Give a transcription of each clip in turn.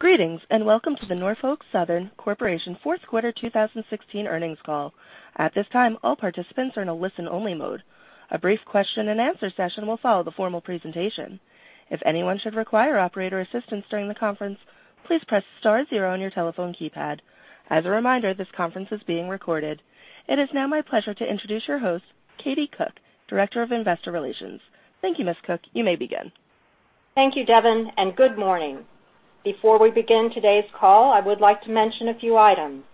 Greetings, welcome to the Norfolk Southern Corporation fourth quarter 2016 earnings call. At this time, all participants are in a listen-only mode. A brief question and answer session will follow the formal presentation. If anyone should require operator assistance during the conference, please press star zero on your telephone keypad. As a reminder, this conference is being recorded. It is now my pleasure to introduce your host, Katie Cook, Director of Investor Relations. Thank you, Ms. Cook. You may begin. Thank you, Devin, good morning. Before we begin today's call, I would like to mention a few items.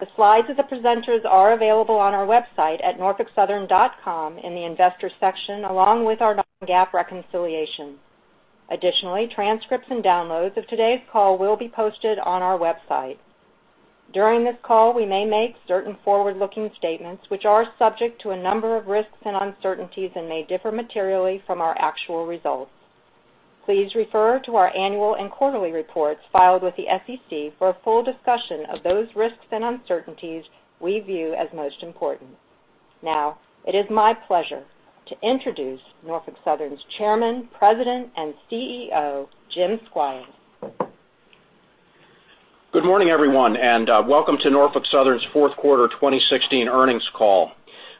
The slides of the presenters are available on our website at norfolksouthern.com in the Investors section, along with our non-GAAP reconciliation. Additionally, transcripts and downloads of today's call will be posted on our website. During this call, we may make certain forward-looking statements, which are subject to a number of risks and uncertainties and may differ materially from our actual results. Please refer to our annual and quarterly reports filed with the SEC for a full discussion of those risks and uncertainties we view as most important. Now, it is my pleasure to introduce Norfolk Southern's Chairman, President, and CEO, Jim Squires. Good morning, everyone, welcome to Norfolk Southern's fourth quarter 2016 earnings call.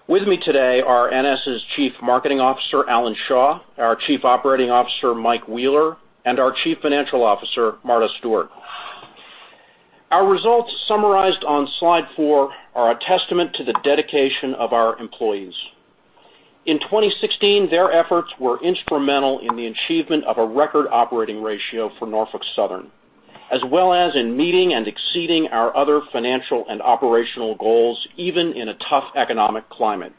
With me today are NS's Chief Marketing Officer, Alan Shaw, our Chief Operating Officer, Mike Wheeler, and our Chief Financial Officer, Marta Stewart. Our results summarized on slide four are a testament to the dedication of our employees. In 2016, their efforts were instrumental in the achievement of a record operating ratio for Norfolk Southern, as well as in meeting and exceeding our other financial and operational goals, even in a tough economic climate.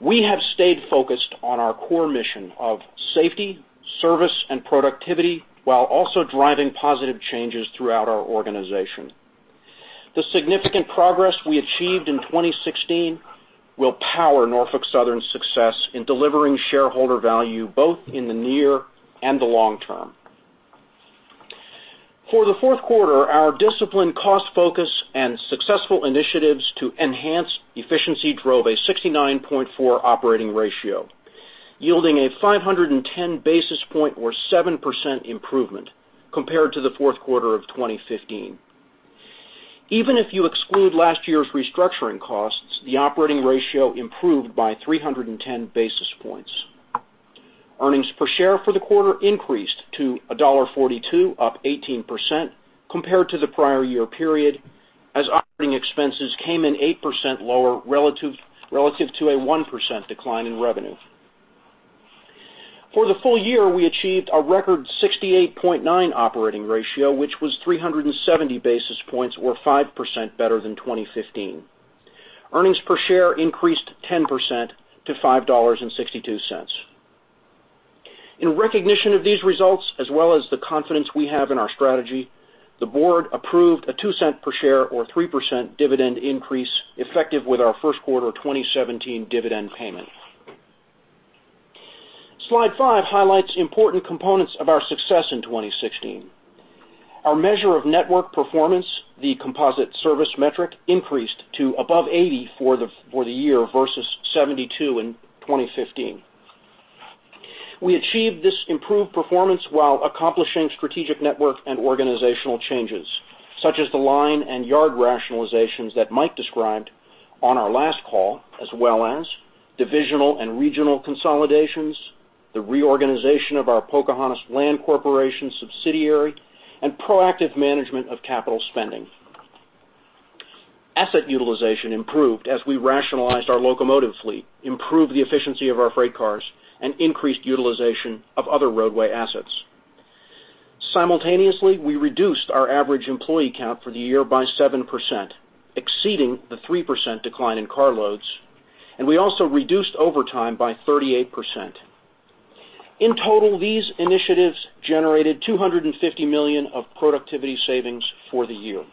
We have stayed focused on our core mission of safety, service, and productivity, while also driving positive changes throughout our organization. The significant progress we achieved in 2016 will power Norfolk Southern's success in delivering shareholder value, both in the near and the long term. For the fourth quarter, our disciplined cost focus and successful initiatives to enhance efficiency drove a 69.4 operating ratio, yielding a 510 basis points or 7% improvement compared to the fourth quarter of 2015. Even if you exclude last year's restructuring costs, the operating ratio improved by 310 basis points. Earnings per share for the quarter increased to $1.42, up 18% compared to the prior year period as operating expenses came in 8% lower relative to a 1% decline in revenue. For the full year, we achieved a record 68.9 operating ratio, which was 370 basis points or 5% better than 2015. Earnings per share increased 10% to $5.62. In recognition of these results, as well as the confidence we have in our strategy, the board approved a $0.02 per share or 3% dividend increase effective with our first quarter 2017 dividend payment. Slide five highlights important components of our success in 2016. Our measure of network performance, the composite service metric, increased to above 80 for the year versus 72 in 2015. We achieved this improved performance while accomplishing strategic network and organizational changes, such as the line and yard rationalizations that Mike described on our last call, as well as divisional and regional consolidations, the reorganization of our Pocahontas Land Corporation subsidiary, and proactive management of capital spending. Asset utilization improved as we rationalized our locomotive fleet, improved the efficiency of our freight cars, and increased utilization of other roadway assets. Simultaneously, we reduced our average employee count for the year by 7%, exceeding the 3% decline in car loads, and we also reduced overtime by 38%. In total, these initiatives generated $250 million of productivity savings for the year.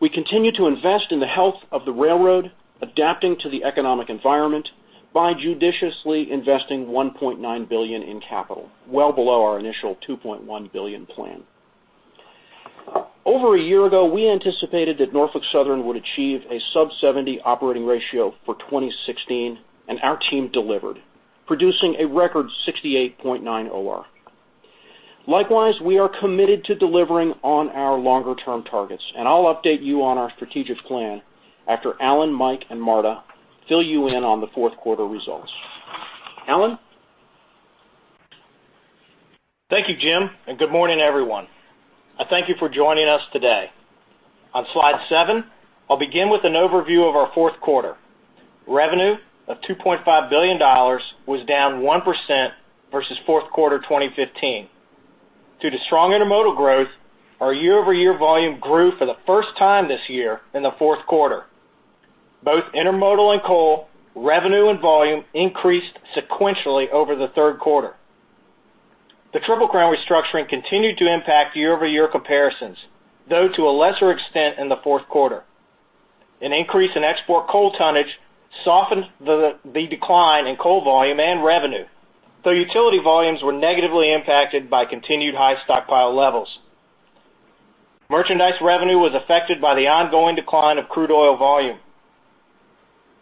We continue to invest in the health of the railroad, adapting to the economic environment by judiciously investing $1.9 billion in capital, well below our initial $2.1 billion plan. Over a year ago, we anticipated that Norfolk Southern would achieve a sub 70 operating ratio for 2016, and our team delivered, producing a record 68.9 OR. Likewise, we are committed to delivering on our longer-term targets, and I'll update you on our strategic plan after Alan, Mike, and Marta fill you in on the fourth quarter results. Alan? Thank you, Jim, and good morning, everyone. I thank you for joining us today. On slide seven, I'll begin with an overview of our fourth quarter. Revenue of $2.5 billion was down 1% versus fourth quarter 2015. Due to strong intermodal growth, our year-over-year volume grew for the first time this year in the fourth quarter. Both intermodal and coal revenue and volume increased sequentially over the third quarter. The Triple Crown restructuring continued to impact year-over-year comparisons, though to a lesser extent in the fourth quarter. An increase in export coal tonnage softened the decline in coal volume and revenue, though utility volumes were negatively impacted by continued high stockpile levels.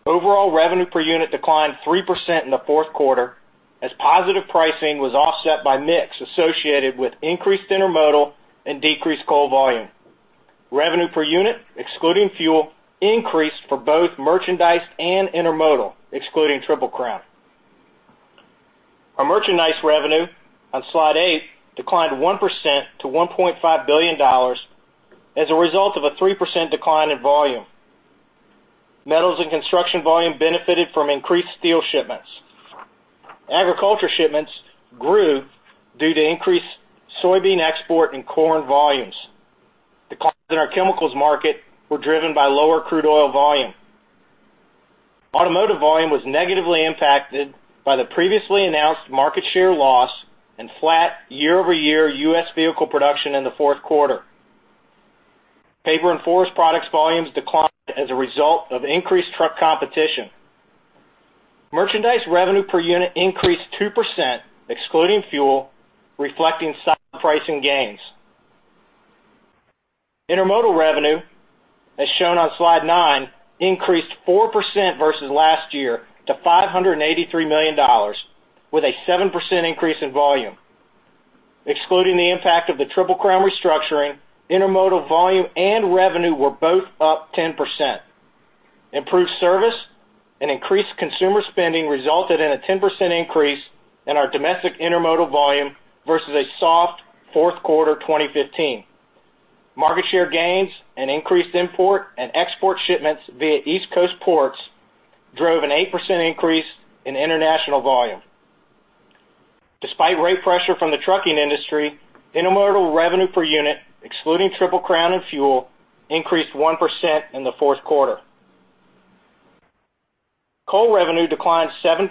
Overall revenue per unit declined 3% in the fourth quarter as positive pricing was offset by mix associated with increased intermodal and decreased coal volume. Revenue per unit, excluding fuel, increased for both merchandise and intermodal, excluding Triple Crown. Our merchandise revenue, on slide eight, declined 1% to $1.5 billion as a result of a 3% decline in volume. Metals and Construction volume benefited from increased steel shipments. Agriculture shipments grew due to increased soybean export and corn volumes. Declines in our chemicals market were driven by lower crude oil volume. Automotive volume was negatively impacted by the previously announced market share loss and flat year-over-year U.S. vehicle production in the fourth quarter. Paper and forest products volumes declined as a result of increased truck competition. Merchandise revenue per unit increased 2%, excluding fuel, reflecting solid pricing gains. Intermodal revenue, as shown on slide nine, increased 4% versus last year to $583 million, with a 7% increase in volume. Excluding the impact of the Triple Crown restructuring, intermodal volume and revenue were both up 10%. Improved service and increased consumer spending resulted in a 10% increase in our domestic intermodal volume versus a soft fourth quarter 2015. Market share gains and increased import and export shipments via East Coast ports drove an 8% increase in international volume. Despite rate pressure from the trucking industry, intermodal revenue per unit, excluding Triple Crown and fuel, increased 1% in the fourth quarter. Coal revenue declined 7%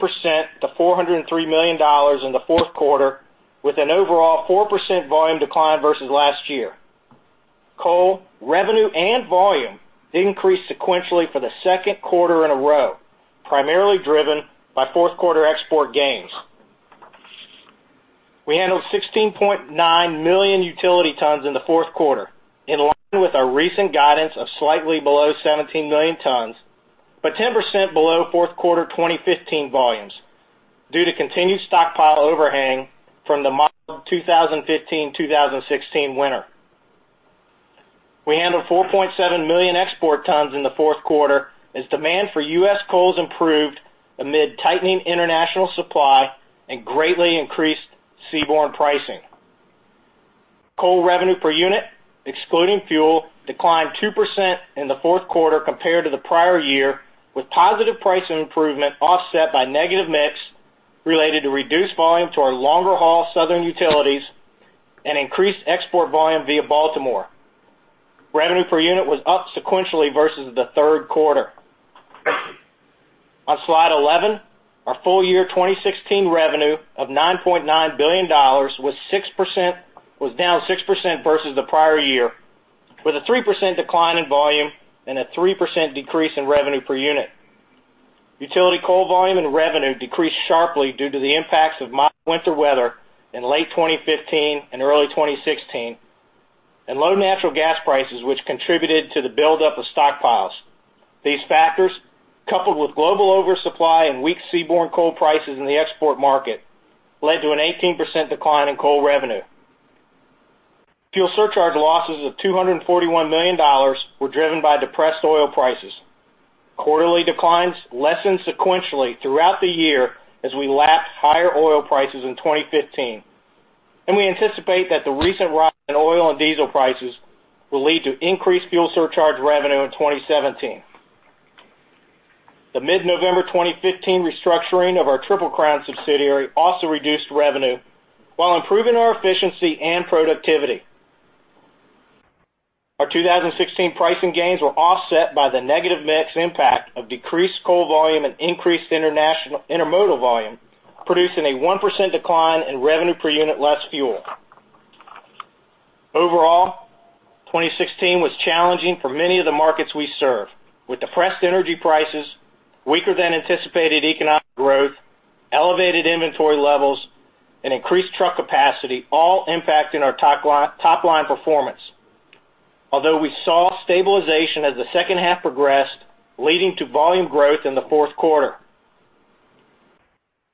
to $403 million in the fourth quarter, with an overall 4% volume decline versus last year. Coal revenue and volume increased sequentially for the second quarter in a row, primarily driven by fourth quarter export gains. We handled 16.9 million utility tons in the fourth quarter, in line with our recent guidance of slightly below 17 million tons, but 10% below fourth quarter 2015 volumes due to continued stockpile overhang from the mild 2015-2016 winter. We handled 4.7 million export tons in the fourth quarter as demand for U.S. coals improved amid tightening international supply and greatly increased seaborne pricing. Coal revenue per unit, excluding fuel, declined 2% in the fourth quarter compared to the prior year, with positive pricing improvement offset by negative mix related to reduced volume to our longer haul southern utilities and increased export volume via Baltimore. Revenue per unit was up sequentially versus the third quarter. On slide 11, our full year 2016 revenue of $9.9 billion was down 6% versus the prior year, with a 3% decline in volume and a 3% decrease in revenue per unit. Utility coal volume and revenue decreased sharply due to the impacts of mild winter weather in late 2015 and early 2016, and low natural gas prices, which contributed to the buildup of stockpiles. These factors, coupled with global oversupply and weak seaborne coal prices in the export market, led to an 18% decline in coal revenue. Fuel surcharge losses of $241 million were driven by depressed oil prices. Quarterly declines lessened sequentially throughout the year as we lapped higher oil prices in 2015. We anticipate that the recent rise in oil and diesel prices will lead to increased fuel surcharge revenue in 2017. The mid-November 2015 restructuring of our Triple Crown subsidiary also reduced revenue while improving our efficiency and productivity. Our 2016 pricing gains were offset by the negative mix impact of decreased coal volume and increased intermodal volume, producing a 1% decline in revenue per unit, less fuel. Overall, 2016 was challenging for many of the markets we serve, with depressed energy prices, weaker than anticipated economic growth, elevated inventory levels and increased truck capacity all impacting our top-line performance. Although we saw stabilization as the second half progressed, leading to volume growth in the fourth quarter.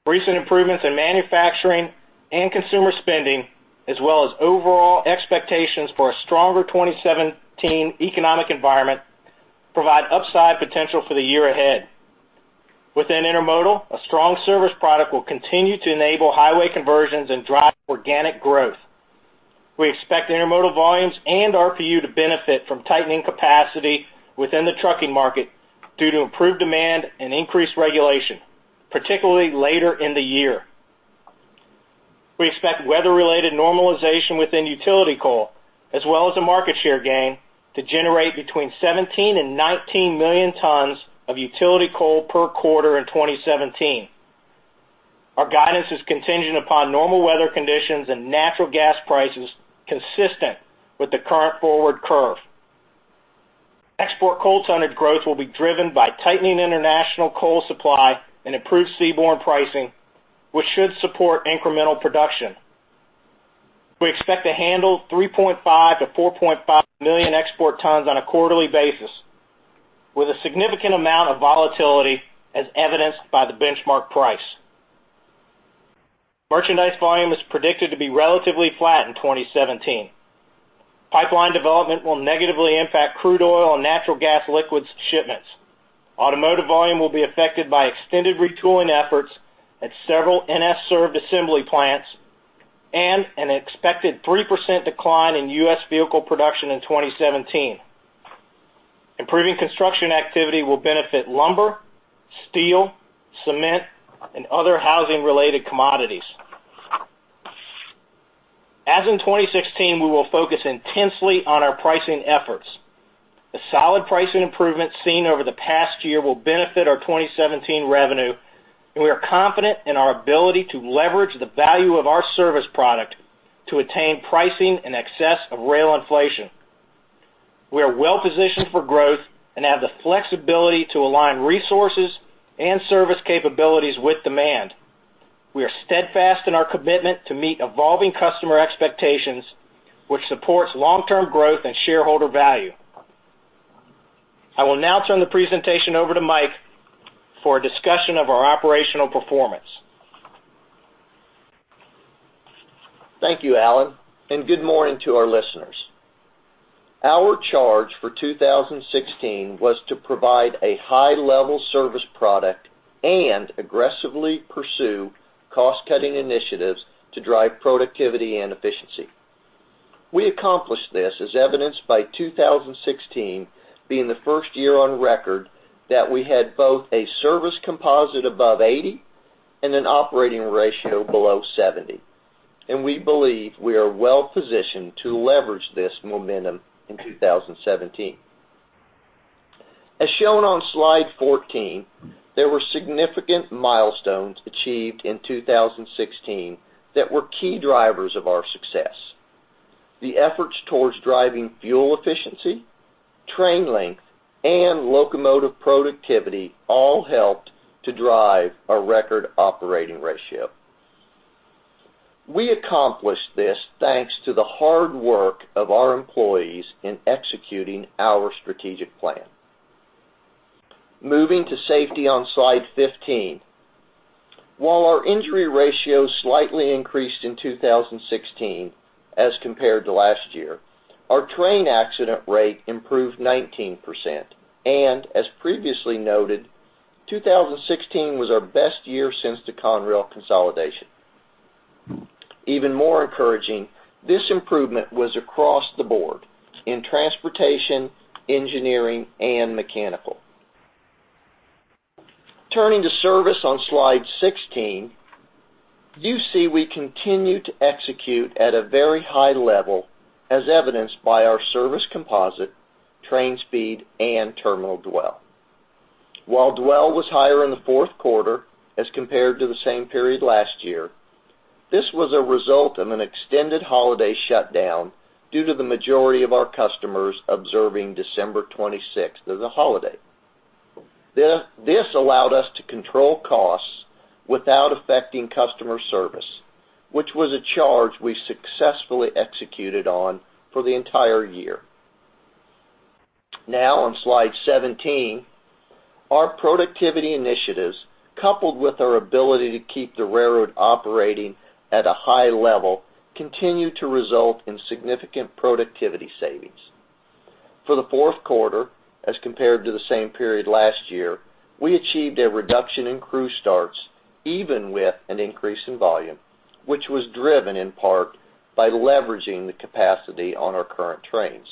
Recent improvements in manufacturing and consumer spending, as well as overall expectations for a stronger 2017 economic environment, provide upside potential for the year ahead. Within intermodal, a strong service product will continue to enable highway conversions and drive organic growth. We expect intermodal volumes and RPU to benefit from tightening capacity within the trucking market due to improved demand and increased regulation, particularly later in the year. We expect weather-related normalization within utility coal as well as a market share gain to generate between 17 and 19 million tons of utility coal per quarter in 2017. Our guidance is contingent upon normal weather conditions and natural gas prices consistent with the current forward curve. Export coal tonnage growth will be driven by tightening international coal supply and improved seaborne pricing, which should support incremental production. We expect to handle 3.5 million-4.5 million export tons on a quarterly basis, with a significant amount of volatility as evidenced by the benchmark price. Merchandise volume is predicted to be relatively flat in 2017. Pipeline development will negatively impact crude oil and natural gas liquids shipments. Automotive volume will be affected by extended retooling efforts at several NS-served assembly plants and an expected 3% decline in U.S. vehicle production in 2017. Improving construction activity will benefit lumber, steel, cement, and other housing-related commodities. As in 2016, we will focus intensely on our pricing efforts. The solid pricing improvements seen over the past year will benefit our 2017 revenue. We are confident in our ability to leverage the value of our service product to attain pricing in excess of rail inflation. We are well-positioned for growth and have the flexibility to align resources and service capabilities with demand. We are steadfast in our commitment to meet evolving customer expectations, which supports long-term growth and shareholder value. I will now turn the presentation over to Mike for a discussion of our operational performance. Thank you, Alan. Good morning to our listeners. Our charge for 2016 was to provide a high-level service product and aggressively pursue cost-cutting initiatives to drive productivity and efficiency. We accomplished this as evidenced by 2016 being the first year on record that we had both a service composite above 80 and an operating ratio below 70. We believe we are well-positioned to leverage this momentum in 2017. As shown on slide 14, there were significant milestones achieved in 2016 that were key drivers of our success. The efforts towards driving fuel efficiency, train length, and locomotive productivity all helped to drive a record operating ratio. We accomplished this thanks to the hard work of our employees in executing our strategic plan. Moving to safety on Slide 15. While our injury ratio slightly increased in 2016 as compared to last year, our train accident rate improved 19%. As previously noted, 2016 was our best year since the Conrail consolidation. Even more encouraging, this improvement was across the board in transportation, engineering, and mechanical. Turning to service on Slide 16, you see we continue to execute at a very high level as evidenced by our service composite, train speed, and terminal dwell. While dwell was higher in the fourth quarter as compared to the same period last year, this was a result of an extended holiday shutdown due to the majority of our customers observing December 26th as a holiday. This allowed us to control costs without affecting customer service, which was a charge we successfully executed on for the entire year. On Slide 17, our productivity initiatives, coupled with our ability to keep the railroad operating at a high level, continued to result in significant productivity savings. For the fourth quarter, as compared to the same period last year, we achieved a reduction in crew starts, even with an increase in volume, which was driven in part by leveraging the capacity on our current trains.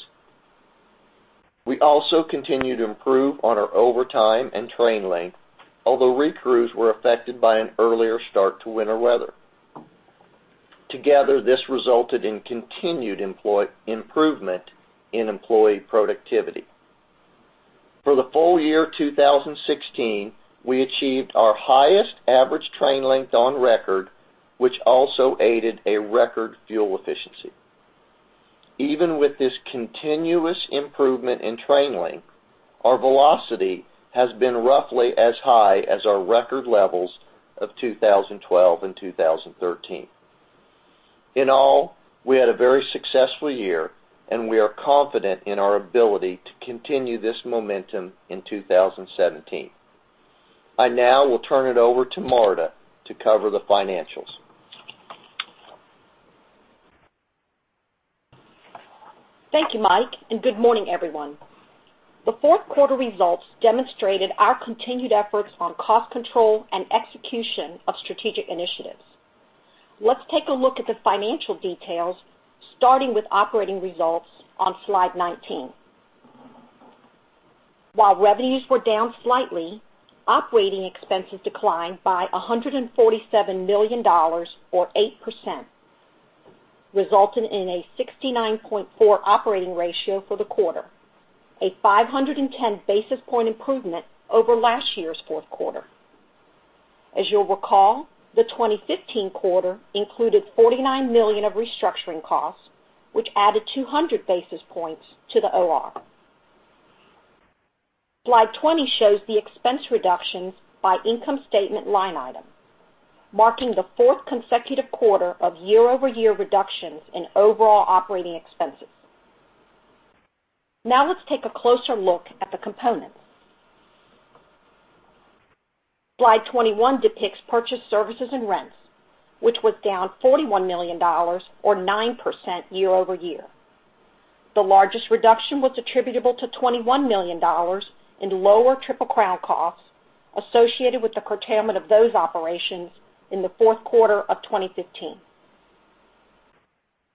We also continue to improve on our overtime and train length, although recrews were affected by an earlier start to winter weather. Together, this resulted in continued improvement in employee productivity. For the full year 2016, we achieved our highest average train length on record, which also aided a record fuel efficiency. Even with this continuous improvement in train length, our velocity has been roughly as high as our record levels of 2012 and 2013. In all, we had a very successful year, and we are confident in our ability to continue this momentum in 2017. I now will turn it over to Marta to cover the financials. Thank you, Mike, and good morning, everyone. The fourth quarter results demonstrated our continued efforts on cost control and execution of strategic initiatives. Let's take a look at the financial details, starting with operating results on Slide 19. While revenues were down slightly, operating expenses declined by $147 million, or 8%, resulting in a 69.4 operating ratio for the quarter, a 510-basis-point improvement over last year's fourth quarter. As you'll recall, the 2015 quarter included $49 million of restructuring costs, which added 200 basis points to the OR. Slide 20 shows the expense reductions by income statement line item, marking the fourth consecutive quarter of year-over-year reductions in overall operating expenses. Now let's take a closer look at the components. Slide 21 depicts purchased services and rents, which was down $41 million or 9% year-over-year. The largest reduction was attributable to $21 million in lower Triple Crown costs associated with the curtailment of those operations in the fourth quarter of 2015.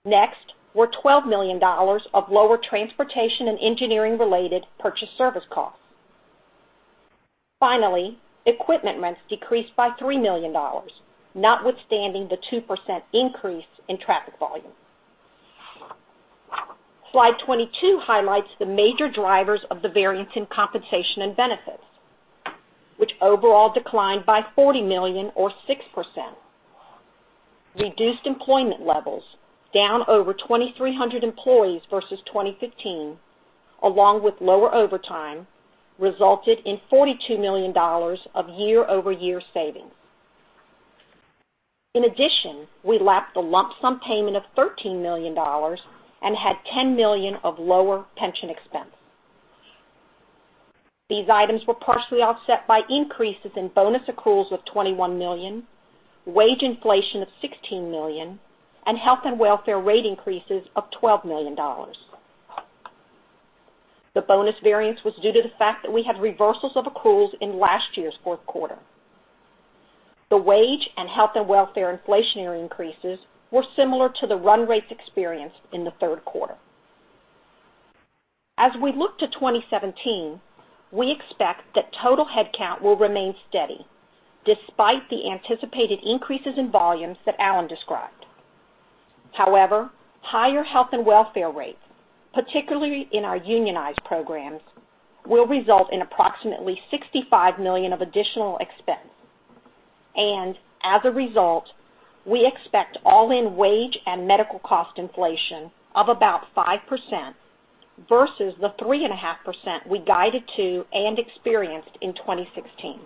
Next, were $12 million of lower transportation and engineering related purchase service costs. Finally, equipment rents decreased by $3 million, notwithstanding the 2% increase in traffic volume. Slide 22 highlights the major drivers of the variance in compensation and benefits, which overall declined by $40 million or 6%. Reduced employment levels, down over 2,300 employees versus 2015, along with lower overtime, resulted in $42 million of year-over-year savings. In addition, we lapped a lump sum payment of $13 million and had $10 million of lower pension expense. These items were partially offset by increases in bonus accruals of $21 million, wage inflation of $16 million, and health and welfare rate increases of $12 million. The bonus variance was due to the fact that we had reversals of accruals in last year's fourth quarter. The wage and health and welfare inflationary increases were similar to the run rates experienced in the third quarter. As we look to 2017, we expect that total headcount will remain steady, despite the anticipated increases in volumes that Alan described. However, higher health and welfare rates, particularly in our unionized programs, will result in approximately $65 million of additional expense. As a result, we expect all-in wage and medical cost inflation of about 5% versus the 3.5% we guided to and experienced in 2016.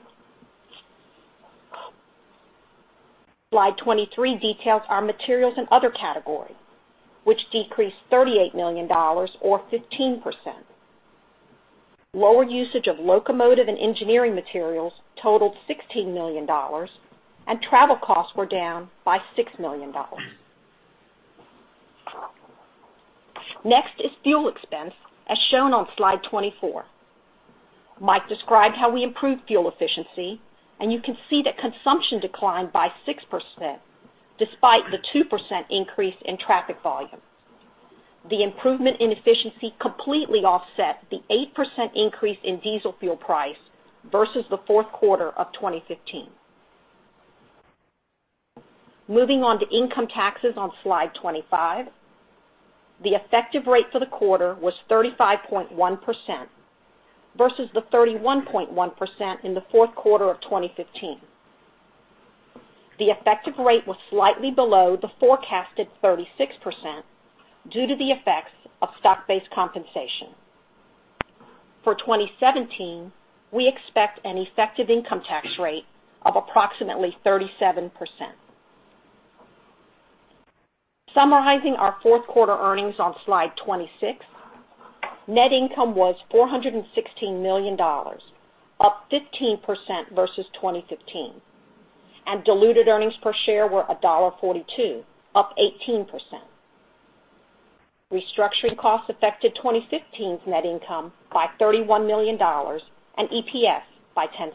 Slide 23 details our materials and other categories, which decreased $38 million or 15%. Lower usage of locomotive and engineering materials totaled $16 million, and travel costs were down by $6 million. Next is fuel expense, as shown on Slide 24. Mike described how we improved fuel efficiency. You can see that consumption declined by 6%, despite the 2% increase in traffic volume. The improvement in efficiency completely offset the 8% increase in diesel fuel price versus the fourth quarter of 2015. Moving on to income taxes on slide 25. The effective rate for the quarter was 35.1% versus the 31.1% in the fourth quarter of 2015. The effective rate was slightly below the forecasted 36% due to the effects of stock-based compensation. For 2017, we expect an effective income tax rate of approximately 37%. Summarizing our fourth quarter earnings on slide 26, net income was $416 million, up 15% versus 2015, and diluted earnings per share were $1.42, up 18%. Restructuring costs affected 2015's net income by $31 million and EPS by $0.10.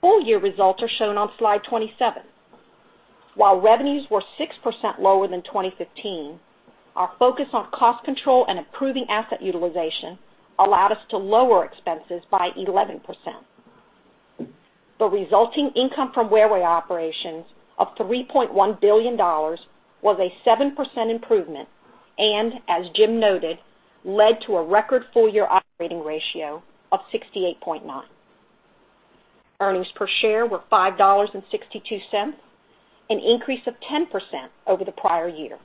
Full year results are shown on slide 27. While revenues were 6% lower than 2015, our focus on cost control and improving asset utilization allowed us to lower expenses by 11%. The resulting income from railway operations of $3.1 billion was a 7% improvement, and as Jim noted, led to a record full-year operating ratio of 68.9. Earnings per share were $5.62, an increase of 10% over the prior year.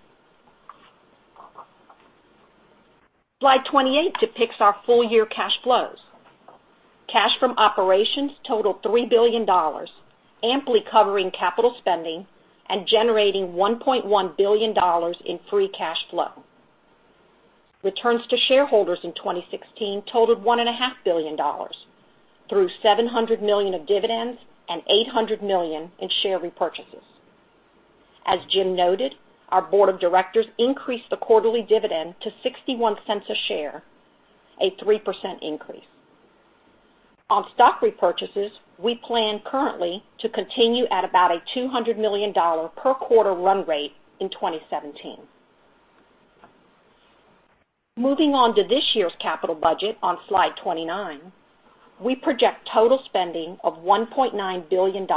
Slide 28 depicts our full-year cash flows. Cash from operations totaled $3 billion, amply covering capital spending and generating $1.1 billion in free cash flow. Returns to shareholders in 2016 totaled $1.5 billion, through $700 million of dividends and $800 million in share repurchases. As Jim noted, our board of directors increased the quarterly dividend to $0.61 a share, a 3% increase. On stock repurchases, we plan currently to continue at about a $200 million per quarter run rate in 2017. Moving on to this year's capital budget on slide 29, we project total spending of $1.9 billion,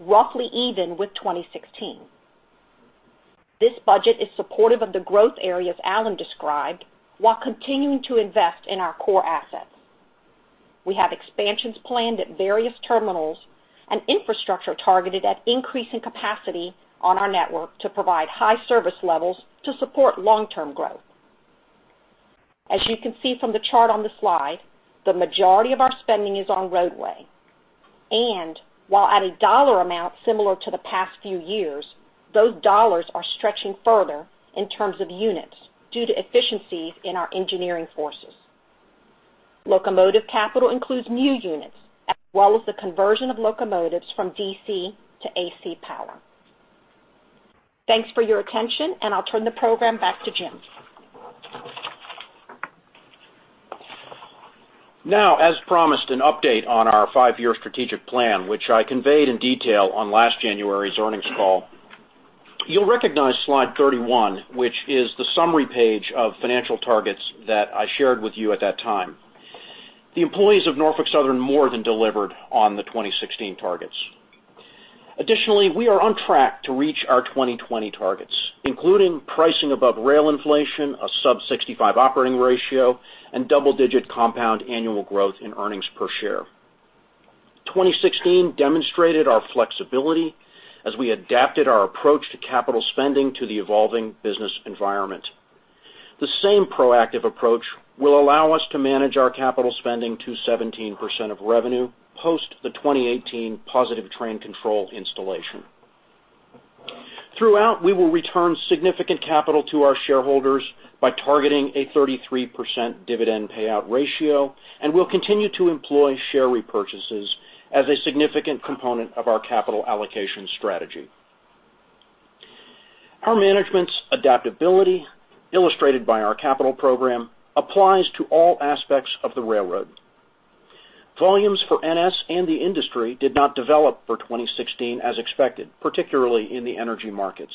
roughly even with 2016. This budget is supportive of the growth areas Alan described while continuing to invest in our core assets. We have expansions planned at various terminals and infrastructure targeted at increasing capacity on our network to provide high service levels to support long-term growth. As you can see from the chart on the slide, the majority of our spending is on roadway. While at a dollar amount similar to the past few years, those dollars are stretching further in terms of units due to efficiencies in our engineering forces. Locomotive capital includes new units as well as the conversion of locomotives from DC to AC power. Thanks for your attention, and I'll turn the program back to Jim. As promised, an update on our five-year strategic plan, which I conveyed in detail on last January's earnings call. You'll recognize slide 31, which is the summary page of financial targets that I shared with you at that time. The employees of Norfolk Southern more than delivered on the 2016 targets. Additionally, we are on track to reach our 2020 targets, including pricing above rail inflation, a sub 65 operating ratio, and double-digit compound annual growth in earnings per share. 2016 demonstrated our flexibility as we adapted our approach to capital spending to the evolving business environment. The same proactive approach will allow us to manage our capital spending to 17% of revenue post the 2018 positive train control installation. Throughout, we will return significant capital to our shareholders by targeting a 33% dividend payout ratio and will continue to employ share repurchases as a significant component of our capital allocation strategy. Our management's adaptability, illustrated by our capital program, applies to all aspects of the railroad. Volumes for NS and the industry did not develop for 2016 as expected, particularly in the energy markets.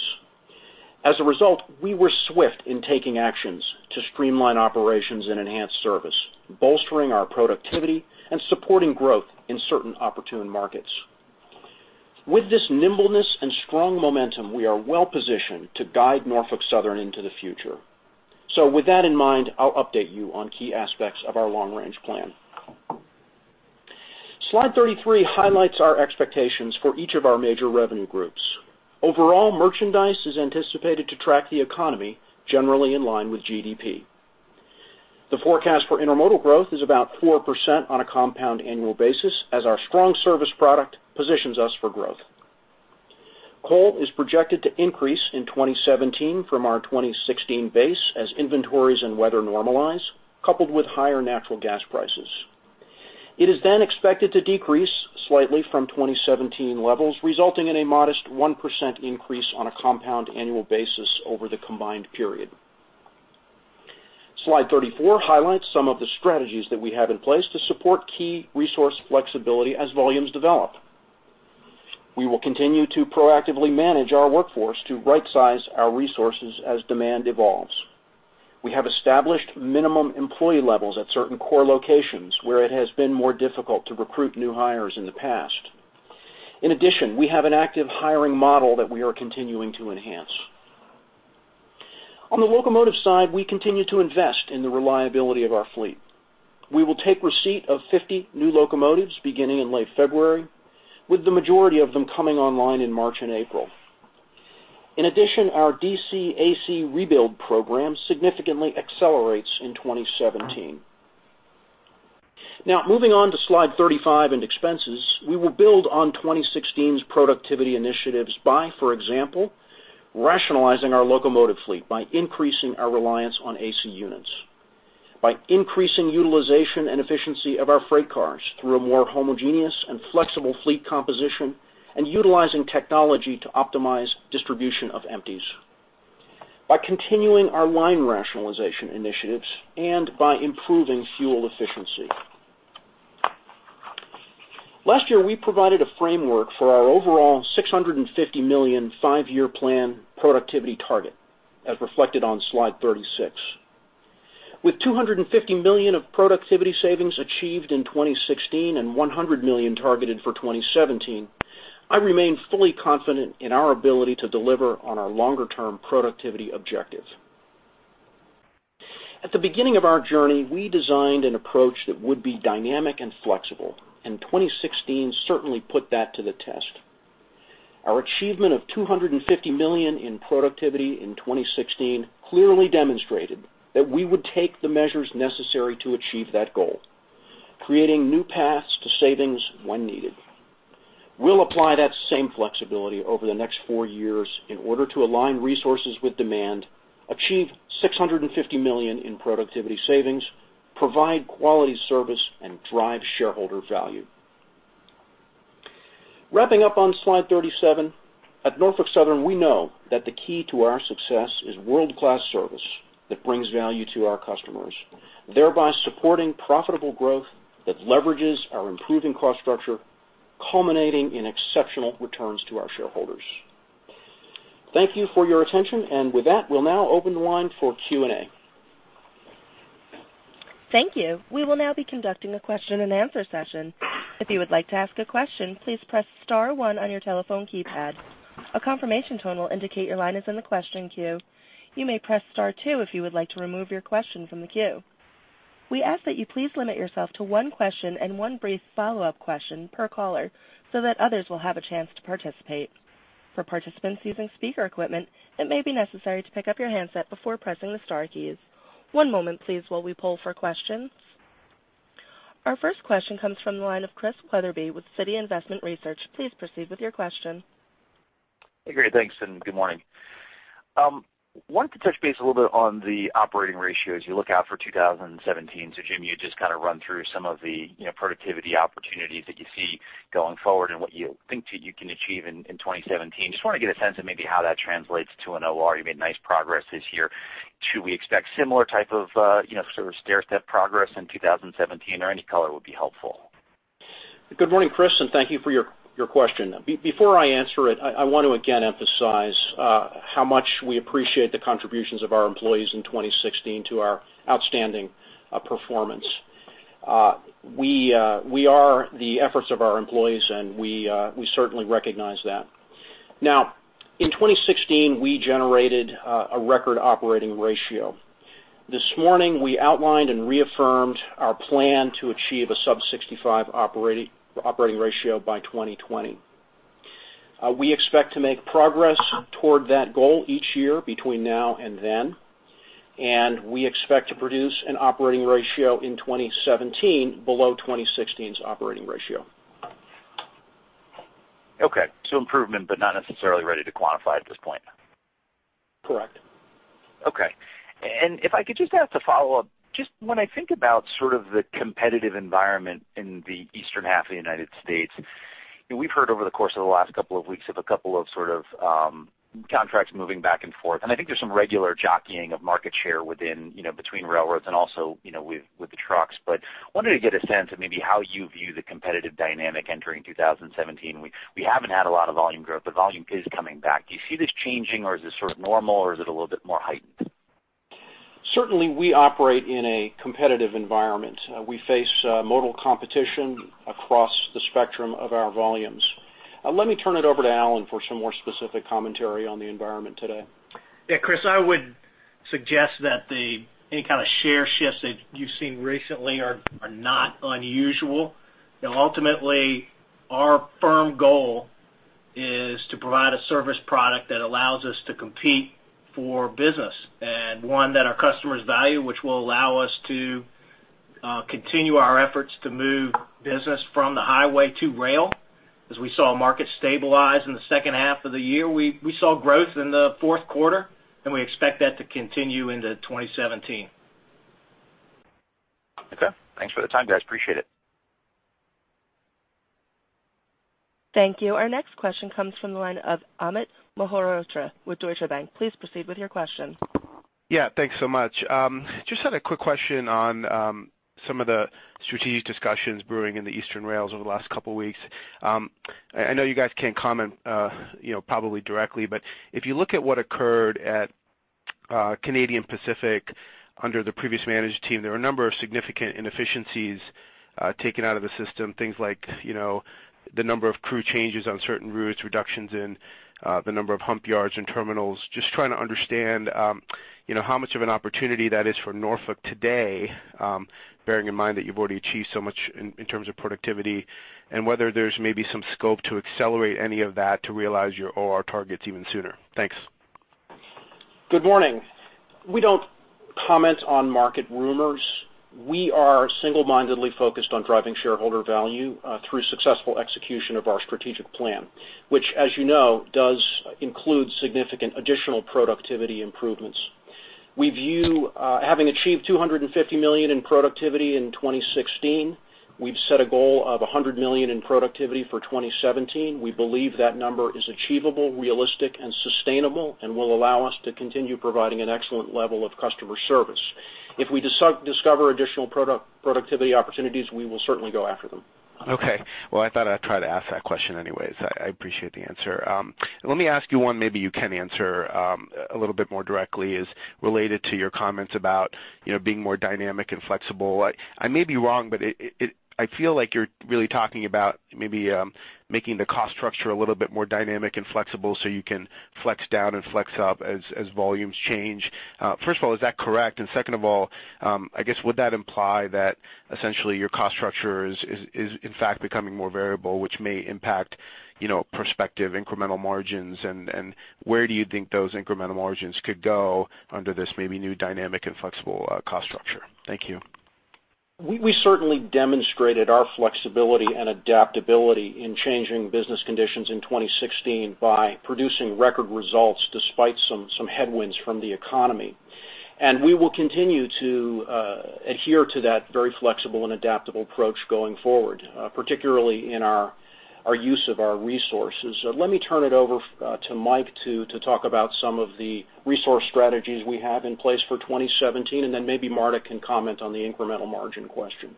As a result, we were swift in taking actions to streamline operations and enhance service, bolstering our productivity and supporting growth in certain opportune markets. With this nimbleness and strong momentum, we are well-positioned to guide Norfolk Southern into the future. With that in mind, I'll update you on key aspects of our long-range plan. Slide 33 highlights our expectations for each of our major revenue groups. Overall, merchandise is anticipated to track the economy generally in line with GDP. The forecast for intermodal growth is about 4% on a compound annual basis as our strong service product positions us for growth. Coal is projected to increase in 2017 from our 2016 base as inventories and weather normalize, coupled with higher natural gas prices. It is then expected to decrease slightly from 2017 levels, resulting in a modest 1% increase on a compound annual basis over the combined period. Slide 34 highlights some of the strategies that we have in place to support key resource flexibility as volumes develop. We will continue to proactively manage our workforce to rightsize our resources as demand evolves. We have established minimum employee levels at certain core locations where it has been more difficult to recruit new hires in the past. In addition, we have an active hiring model that we are continuing to enhance. On the locomotive side, we continue to invest in the reliability of our fleet. We will take receipt of 50 new locomotives beginning in late February, with the majority of them coming online in March and April. In addition, our DC/AC rebuild program significantly accelerates in 2017. Moving on to slide 35 and expenses, we will build on 2016's productivity initiatives by, for example, rationalizing our locomotive fleet by increasing our reliance on AC units, by increasing utilization and efficiency of our freight cars through a more homogeneous and flexible fleet composition, and utilizing technology to optimize distribution of empties, by continuing our line rationalization initiatives, and by improving fuel efficiency. Last year, we provided a framework for our overall $650 million, five-year plan productivity target, as reflected on slide 36. With $250 million of productivity savings achieved in 2016 and $100 million targeted for 2017, I remain fully confident in our ability to deliver on our longer-term productivity objective. At the beginning of our journey, we designed an approach that would be dynamic and flexible, and 2016 certainly put that to the test. Our achievement of $250 million in productivity in 2016 clearly demonstrated that we would take the measures necessary to achieve that goal, creating new paths to savings when needed. We'll apply that same flexibility over the next four years in order to align resources with demand, achieve $650 million in productivity savings, provide quality service, and drive shareholder value. Wrapping up on slide 37, at Norfolk Southern, we know that the key to our success is world-class service that brings value to our customers, thereby supporting profitable growth that leverages our improving cost structure, culminating in exceptional returns to our shareholders. Thank you for your attention, with that, we'll now open the line for Q&A. Thank you. We will now be conducting a question-and-answer session. If you would like to ask a question, please press *1 on your telephone keypad. A confirmation tone will indicate your line is in the question queue. You may press star two if you would like to remove your question from the queue. We ask that you please limit yourself to one question and one brief follow-up question per caller so that others will have a chance to participate. For participants using speaker equipment, it may be necessary to pick up your handset before pressing the star keys. One moment please while we poll for questions. Our first question comes from the line of Chris Wetherbee with Citi Investment Research. Please proceed with your question. Hey, great. Thanks, good morning. Wanted to touch base a little bit on the operating ratios you look out for 2017. Jim, you just kind of run through some of the productivity opportunities that you see going forward and what you think that you can achieve in 2017. Just want to get a sense of maybe how that translates to an OR. You made nice progress this year. Should we expect similar type of sort of stairstep progress in 2017? Any color would be helpful. Good morning, Chris. Thank you for your question. Before I answer it, I want to again emphasize how much we appreciate the contributions of our employees in 2016 to our outstanding performance. We are the efforts of our employees, and we certainly recognize that. In 2016, we generated a record operating ratio. This morning, we outlined and reaffirmed our plan to achieve a sub 65 operating ratio by 2020. We expect to make progress toward that goal each year between now and then, and we expect to produce an operating ratio in 2017 below 2016's operating ratio. Improvement, not necessarily ready to quantify at this point. Correct. If I could just ask a follow-up, just when I think about sort of the competitive environment in the eastern half of the U.S., we've heard over the course of the last couple of weeks of a couple of sort of contracts moving back and forth, and I think there's some regular jockeying of market share between railroads and also with the trucks. Wanted to get a sense of maybe how you view the competitive dynamic entering 2017. We haven't had a lot of volume growth, but volume is coming back. Do you see this changing, or is this sort of normal, or is it a little bit more heightened? Certainly, we operate in a competitive environment. We face modal competition across the spectrum of our volumes. Let me turn it over to Alan for some more specific commentary on the environment today. Yeah, Chris, I would suggest that any kind of share shifts that you've seen recently are not unusual. Ultimately, our firm goal is to provide a service product that allows us to compete for business, and one that our customers value, which will allow us to continue our efforts to move business from the highway to rail. As we saw markets stabilize in the second half of the year, we saw growth in the fourth quarter, and we expect that to continue into 2017. Okay. Thanks for the time, guys. Appreciate it. Thank you. Our next question comes from the line of Amit Mehrotra with Deutsche Bank. Please proceed with your question. Yeah, thanks so much. Just had a quick question on some of the strategic discussions brewing in the eastern rails over the last couple weeks. I know you guys can't comment probably directly, but if you look at what occurred at Canadian Pacific under the previous management team, there were a number of significant inefficiencies taken out of the system. Things like the number of crew changes on certain routes, reductions in the number of hump yards and terminals. Just trying to understand how much of an opportunity that is for Norfolk today, bearing in mind that you've already achieved so much in terms of productivity, and whether there's maybe some scope to accelerate any of that to realize your OR targets even sooner. Thanks. Good morning. We don't comment on market rumors. We are single-mindedly focused on driving shareholder value through successful execution of our strategic plan, which as you know, does include significant additional productivity improvements. We view having achieved $250 million in productivity in 2016. We've set a goal of $100 million in productivity for 2017. We believe that number is achievable, realistic, and sustainable and will allow us to continue providing an excellent level of customer service. If we discover additional productivity opportunities, we will certainly go after them. Okay. Well, I thought I'd try to ask that question anyways. I appreciate the answer. Let me ask you one maybe you can answer a little bit more directly, is related to your comments about being more dynamic and flexible. I may be wrong, but I feel like you're really talking about maybe making the cost structure a little bit more dynamic and flexible so you can flex down and flex up as volumes change. First of all, is that correct? Second of all, I guess, would that imply that essentially your cost structure is in fact becoming more variable, which may impact prospective incremental margins? Where do you think those incremental margins could go under this maybe new dynamic and flexible cost structure? Thank you. We certainly demonstrated our flexibility and adaptability in changing business conditions in 2016 by producing record results despite some headwinds from the economy. We will continue to adhere to that very flexible and adaptable approach going forward, particularly in our use of our resources. Let me turn it over to Mike to talk about some of the resource strategies we have in place for 2017, then maybe Marta can comment on the incremental margin question.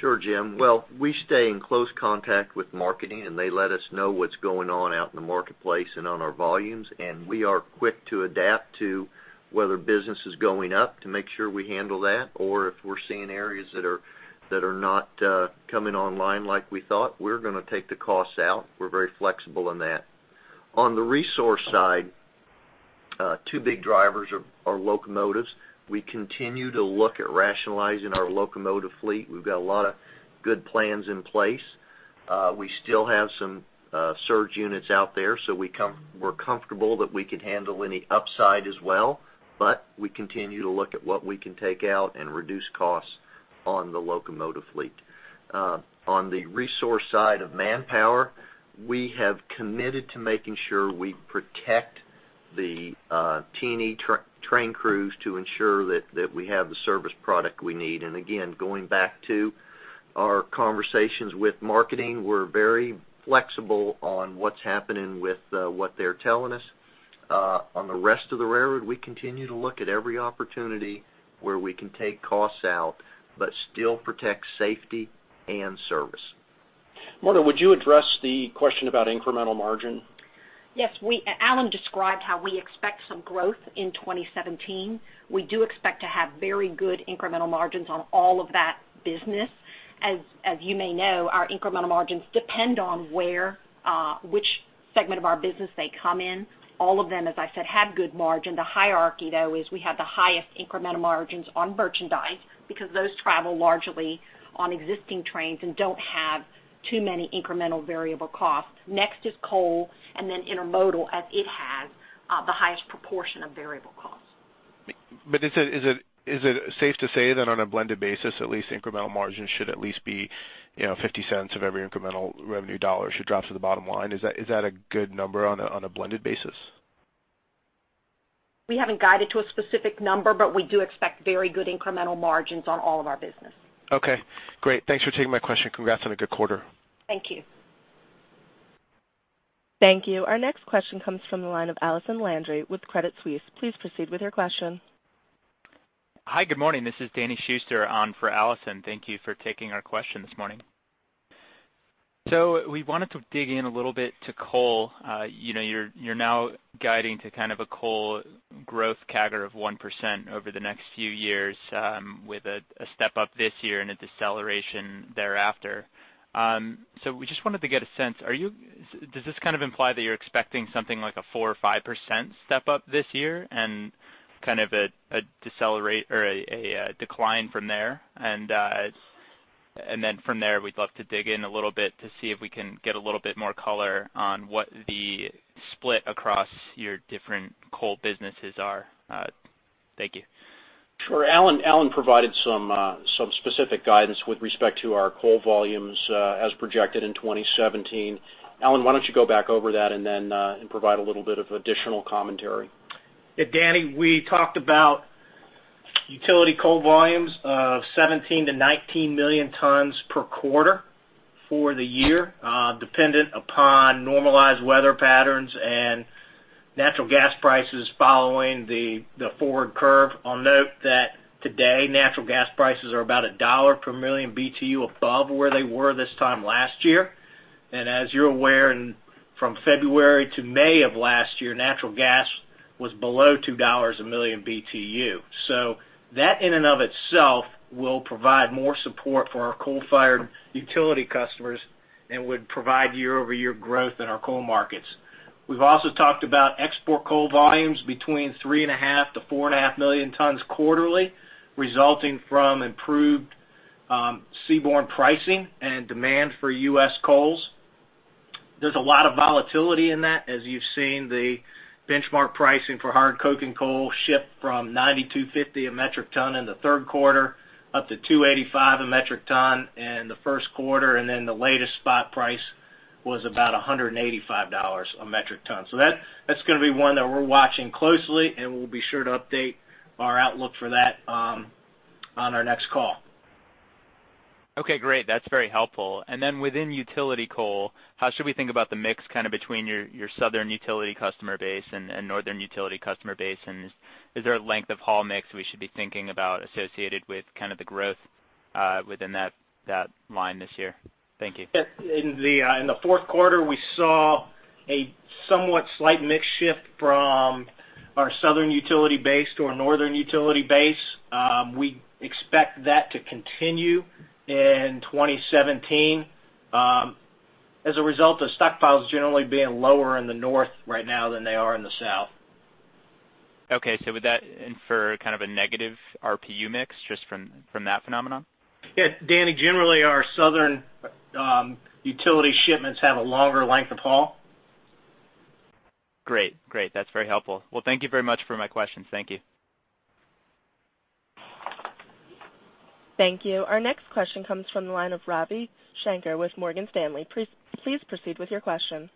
Sure, Jim. Well, we stay in close contact with marketing. They let us know what's going on out in the marketplace and on our volumes. We are quick to adapt to whether business is going up to make sure we handle that, or if we're seeing areas that are not coming online like we thought, we're going to take the costs out. We're very flexible in that. On the resource side Two big drivers are locomotives. We continue to look at rationalizing our locomotive fleet. We've got a lot of good plans in place. We still have some surge units out there, so we're comfortable that we could handle any upside as well, but we continue to look at what we can take out and reduce costs on the locomotive fleet. On the resource side of manpower, we have committed to making sure we protect the T&E train crews to ensure that we have the service product we need. Again, going back to our conversations with marketing, we're very flexible on what's happening with what they're telling us. On the rest of the railroad, we continue to look at every opportunity where we can take costs out, but still protect safety and service. Marta, would you address the question about incremental margin? Yes. Alan described how we expect some growth in 2017. We do expect to have very good incremental margins on all of that business. As you may know, our incremental margins depend on which segment of our business they come in. All of them, as I said, had good margin. The hierarchy, though, is we have the highest incremental margins on merchandise because those travel largely on existing trains and don't have too many incremental variable costs. Next is coal, and then intermodal, as it has the highest proportion of variable costs. Is it safe to say that on a blended basis, at least incremental margins should at least be $0.50 of every incremental revenue dollar should drop to the bottom line? Is that a good number on a blended basis? We haven't guided to a specific number. We do expect very good incremental margins on all of our business. Okay, great. Thanks for taking my question. Congrats on a good quarter. Thank you. Thank you. Our next question comes from the line of Allison Landry with Credit Suisse. Please proceed with your question. Hi, good morning. This is Danny Schuster on for Allison. Thank you for taking our question this morning. We wanted to dig in a little bit to coal. You're now guiding to kind of a coal growth CAGR of 1% over the next few years, with a step-up this year and a deceleration thereafter. We just wanted to get a sense, does this kind of imply that you're expecting something like a 4% or 5% step-up this year and kind of a decline from there? From there, we'd love to dig in a little bit to see if we can get a little bit more color on what the split across your different coal businesses are. Thank you. Sure. Alan provided some specific guidance with respect to our coal volumes as projected in 2017. Alan, why don't you go back over that and then provide a little bit of additional commentary. Danny, we talked about utility coal volumes of 17 million-19 million tons per quarter for the year, dependent upon normalized weather patterns and natural gas prices following the forward curve. I'll note that today, natural gas prices are about $1 per million BTU above where they were this time last year. As you're aware, from February to May of last year, natural gas was below $2 a million BTU. That, in and of itself, will provide more support for our coal-fired utility customers and would provide year-over-year growth in our coal markets. We've also talked about export coal volumes between 3.5 million-4.5 million tons quarterly, resulting from improved seaborne pricing and demand for U.S. coals. There's a lot of volatility in that. As you've seen, the benchmark pricing for hard coking coal shift from $92.50 a metric ton in the third quarter, up to $285 a metric ton in the first quarter, and then the latest spot price was about $185 a metric ton. That's going to be one that we're watching closely, and we'll be sure to update our outlook for that on our next call. Okay, great. That's very helpful. Within utility coal, how should we think about the mix kind of between your southern utility customer base and northern utility customer base, and is there a length of haul mix we should be thinking about associated with kind of the growth within that line this year? Thank you. In the fourth quarter, we saw a somewhat slight mix shift from our southern utility base to our northern utility base. We expect that to continue in 2017 as a result of stockpiles generally being lower in the north right now than they are in the south. Okay. Would that infer kind of a negative RPU mix just from that phenomenon? Yeah, Danny, generally our southern utility shipments have a longer length of haul. Great. That's very helpful. Well, thank you very much for my question. Thank you. Thank you. Our next question comes from the line of Ravi Shanker with Morgan Stanley. Please proceed with your question.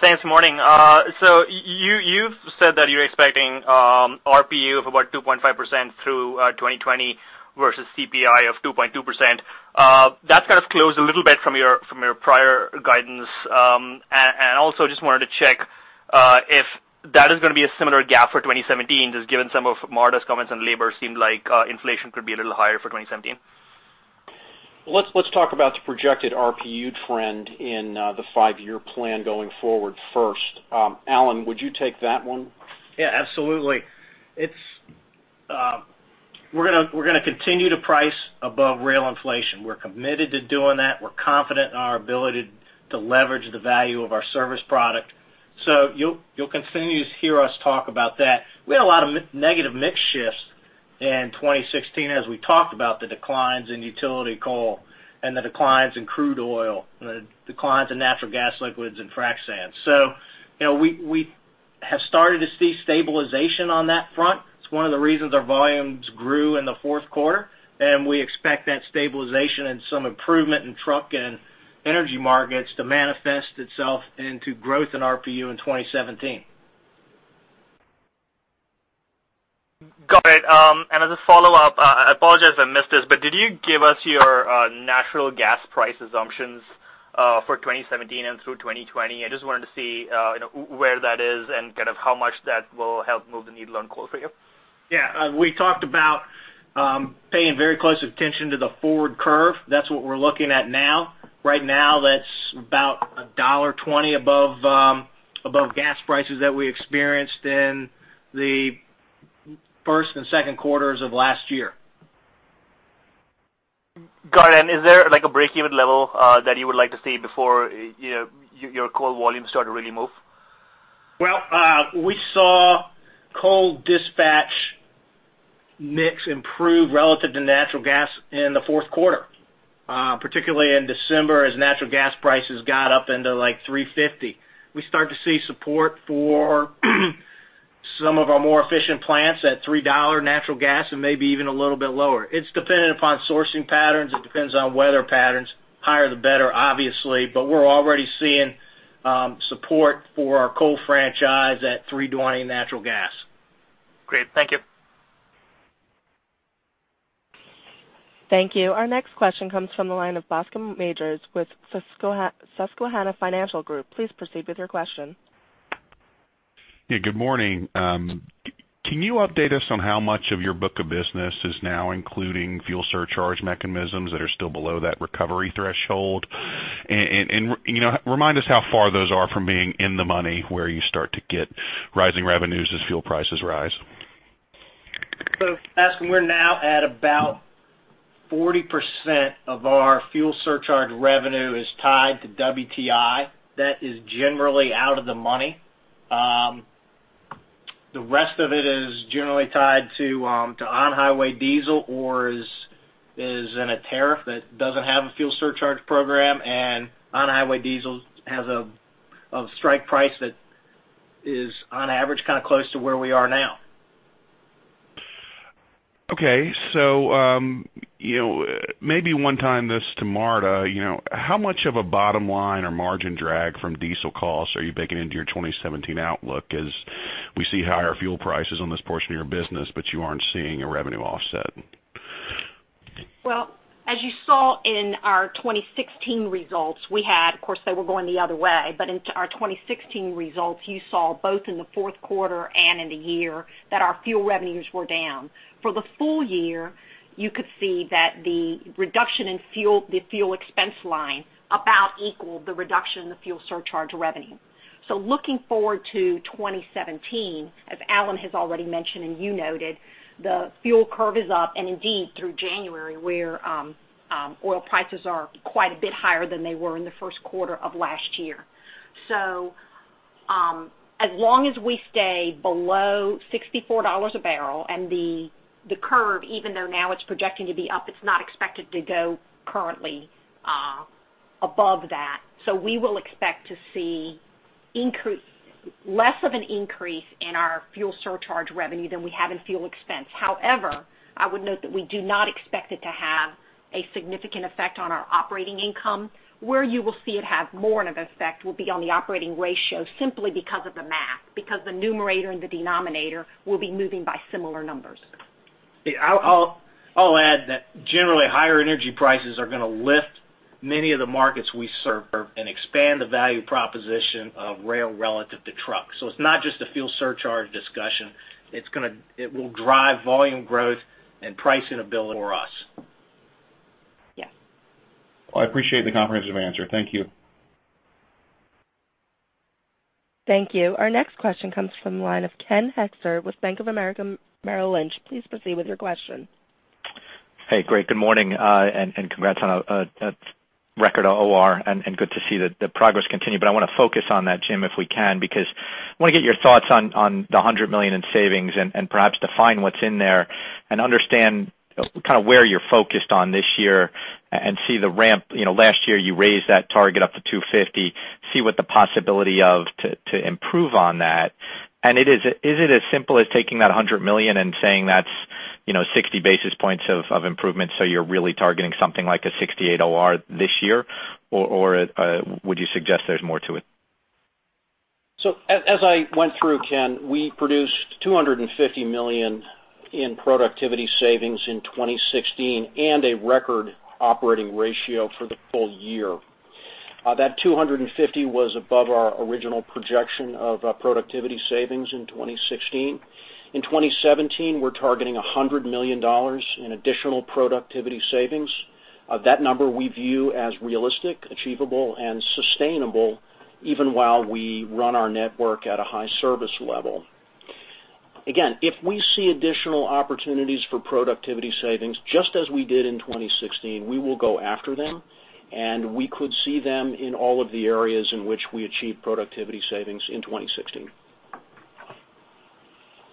Thanks. Morning. You've said that you're expecting RPU of about 2.5% through 2020 versus CPI of 2.2%. That's kind of closed a little bit from your prior guidance. Also just wanted to check if that is going to be a similar gap for 2017, just given some of Marta's comments on labor, seemed like inflation could be a little higher for 2017. Well, let's talk about the projected RPU trend in the five-year plan going forward first. Alan, would you take that one? Yeah, absolutely. We're going to continue to price above rail inflation. We're committed to doing that. We're confident in our ability to leverage the value of our service product. You'll continue to hear us talk about that. We had a lot of negative mix shifts in 2016 as we talked about the declines in utility coal and the declines in crude oil, and the declines in natural gas liquids and frac sand. We have started to see stabilization on that front. It's one of the reasons our volumes grew in the fourth quarter, and we expect that stabilization and some improvement in truck and energy markets to manifest itself into growth in RPU in 2017. Got it. As a follow-up, I apologize I missed this, did you give us your natural gas price assumptions for 2017 and through 2020? I just wanted to see where that is and how much that will help move the needle on coal for you. Yeah. We talked about paying very close attention to the forward curve. That's what we're looking at now. Right now, that's about $1.20 above gas prices that we experienced in the first and second quarters of last year. Got it. Is there a break-even level that you would like to see before your coal volumes start to really move? Well, we saw coal dispatch mix improve relative to natural gas in the fourth quarter, particularly in December as natural gas prices got up into $3.50. We start to see support for some of our more efficient plants at $3 natural gas and maybe even a little bit lower. It's dependent upon sourcing patterns. It depends on weather patterns. Higher the better, obviously, but we're already seeing support for our coal franchise at $3.20 natural gas. Great. Thank you. Thank you. Our next question comes from the line of Bascome Majors with Susquehanna Financial Group. Please proceed with your question. Yeah, good morning. Can you update us on how much of your book of business is now including fuel surcharge mechanisms that are still below that recovery threshold? Remind us how far those are from being in the money where you start to get rising revenues as fuel prices rise. Bascome, we're now at about 40% of our fuel surcharge revenue is tied to WTI. That is generally out of the money. The rest of it is generally tied to on-highway diesel or is in a tariff that doesn't have a fuel surcharge program, and on-highway diesel has a strike price that is, on average, close to where we are now. Okay. Maybe one time this to Marta, how much of a bottom line or margin drag from diesel costs are you baking into your 2017 outlook? As we see higher fuel prices on this portion of your business, but you aren't seeing a revenue offset. Well, as you saw in our 2016 results, of course, they were going the other way, but in our 2016 results, you saw both in the fourth quarter and in the year that our fuel revenues were down. For the full year, you could see that the reduction in the fuel expense line about equaled the reduction in the fuel surcharge revenue. Looking forward to 2017, as Alan has already mentioned and you noted, the fuel curve is up and indeed through January, where oil prices are quite a bit higher than they were in the first quarter of last year. As long as we stay below $64 a barrel and the curve, even though now it's projecting to be up, it's not expected to go currently above that. We will expect to see less of an increase in our fuel surcharge revenue than we have in fuel expense. However, I would note that we do not expect it to have a significant effect on our operating income. Where you will see it have more of an effect will be on the operating ratio, simply because of the math, because the numerator and the denominator will be moving by similar numbers. I'll add that generally higher energy prices are going to lift many of the markets we serve and expand the value proposition of rail relative to truck. It's not just a fuel surcharge discussion. It will drive volume growth and pricing ability for us. Yes. I appreciate the comprehensive answer. Thank you. Thank you. Our next question comes from the line of Ken Hoexter with Bank of America Merrill Lynch. Please proceed with your question. Hey, great. Good morning, and congrats on a record OR, and good to see the progress continue. I want to focus on that, Jim, if we can, because I want to get your thoughts on the $100 million in savings and perhaps define what's in there and understand where you're focused on this year and see the ramp. Last year you raised that target up to $250 million. See what the possibility of to improve on that. Is it as simple as taking that $100 million and saying that's 60 basis points of improvement, you're really targeting something like a 68 OR this year, or would you suggest there's more to it? As I went through, Ken, we produced $250 million in productivity savings in 2016 and a record operating ratio for the full year. That $250 was above our original projection of productivity savings in 2016. In 2017, we're targeting $100 million in additional productivity savings. That number we view as realistic, achievable, and sustainable even while we run our network at a high service level. Again, if we see additional opportunities for productivity savings, just as we did in 2016, we will go after them, and we could see them in all of the areas in which we achieved productivity savings in 2016.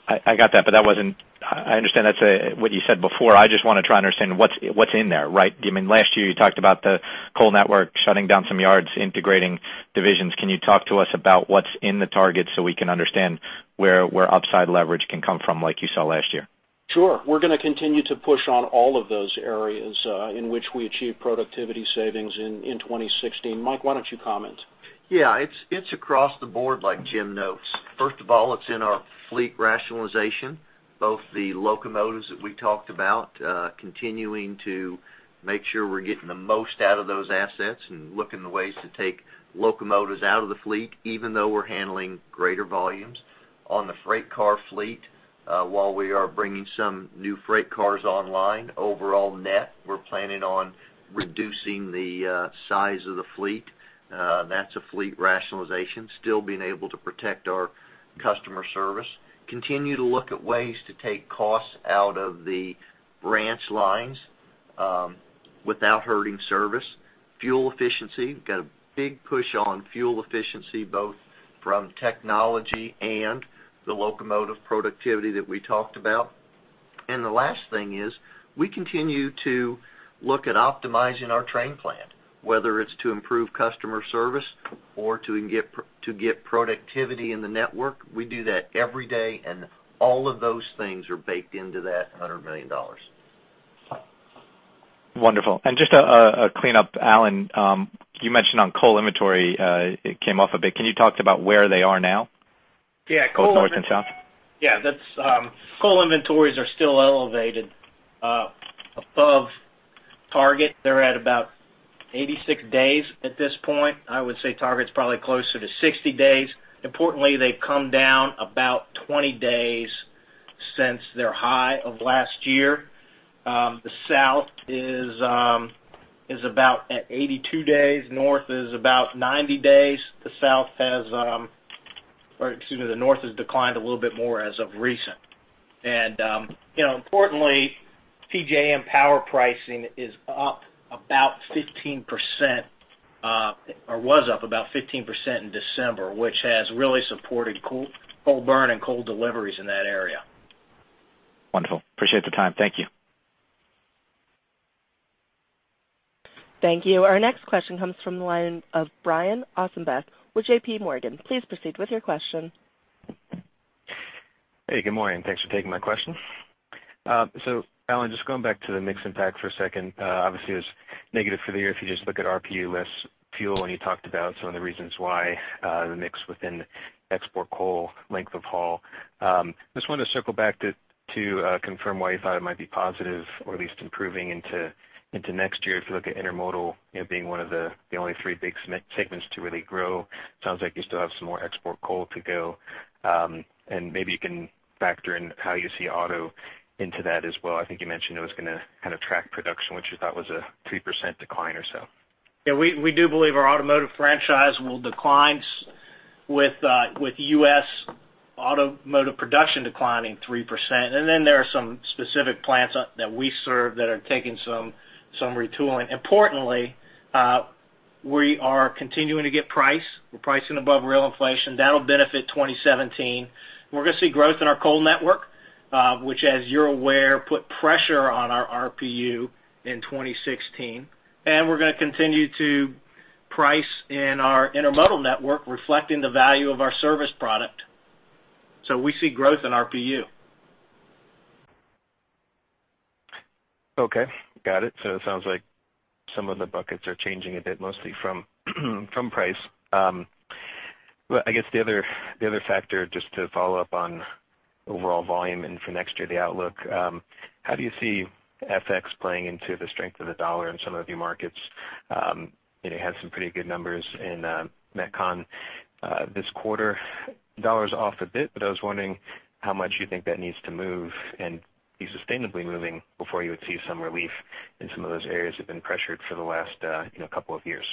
I got that, but I understand that's what you said before. I just want to try and understand what's in there, right? Last year you talked about the coal network shutting down some yards, integrating divisions. Can you talk to us about what's in the target so we can understand where upside leverage can come from like you saw last year? Sure. We're going to continue to push on all of those areas in which we achieved productivity savings in 2016. Mike, why don't you comment? Yeah. It's across the board like Jim notes. First of all, it's in our fleet rationalization, both the locomotives that we talked about, continuing to make sure we're getting the most out of those assets and looking at ways to take locomotives out of the fleet, even though we're handling greater volumes. On the freight car fleet, while we are bringing some new freight cars online, overall net, we're planning on reducing the size of the fleet. That's a fleet rationalization, still being able to protect our customer service. Continue to look at ways to take costs out of the branch lines without hurting service. Fuel efficiency, got a big push on fuel efficiency both from technology and the locomotive productivity that we talked about. The last thing is we continue to look at optimizing our train plan, whether it's to improve customer service or to get productivity in the network. We do that every day, and all of those things are baked into that $100 million. Wonderful. Just a cleanup, Alan. You mentioned on coal inventory, it came off a bit. Can you talk about where they are now? Yeah. Both North and South. Yeah. Coal inventories are still elevated above target. They're at about 86 days at this point. I would say target's probably closer to 60 days. Importantly, they've come down about 20 days since their high of last year. The South is about at 82 days. North is about 90 days. The North has declined a little bit more as of recent. Importantly, PJM power pricing is up about 15%, or was up about 15% in December, which has really supported coal burn and coal deliveries in that area. Wonderful. Appreciate the time. Thank you. Thank you. Our next question comes from the line of Brian Ossenbeck with J.P. Morgan. Please proceed with your question. Hey, good morning. Thanks for taking my question. Alan, just going back to the mix impact for a second. Obviously, it was negative for the year if you just look at RPU less fuel, and you talked about some of the reasons why the mix within export coal length of haul. Just wanted to circle back to confirm why you thought it might be positive or at least improving into next year. If you look at intermodal being one of the only three big segments to really grow, sounds like you still have some more export coal to go. Maybe you can factor in how you see auto into that as well. I think you mentioned it was going to kind of track production, which you thought was a 3% decline or so. We do believe our automotive franchise will decline with U.S. automotive production declining 3%. There are some specific plants that we serve that are taking some retooling. Importantly, we are continuing to get price. We're pricing above real inflation. That'll benefit 2017. We're going to see growth in our coal network, which as you're aware, put pressure on our RPU in 2016. We're going to continue to price in our intermodal network, reflecting the value of our service product. We see growth in RPU. Okay, got it. It sounds like some of the buckets are changing a bit, mostly from price. The other factor, just to follow up on overall volume and for next year, the outlook, how do you see FX playing into the strength of the dollar in some of your markets? You had some pretty good numbers in Met-Con this quarter. Dollar's off a bit, but I was wondering how much you think that needs to move and be sustainably moving before you would see some relief in some of those areas that have been pressured for the last couple of years.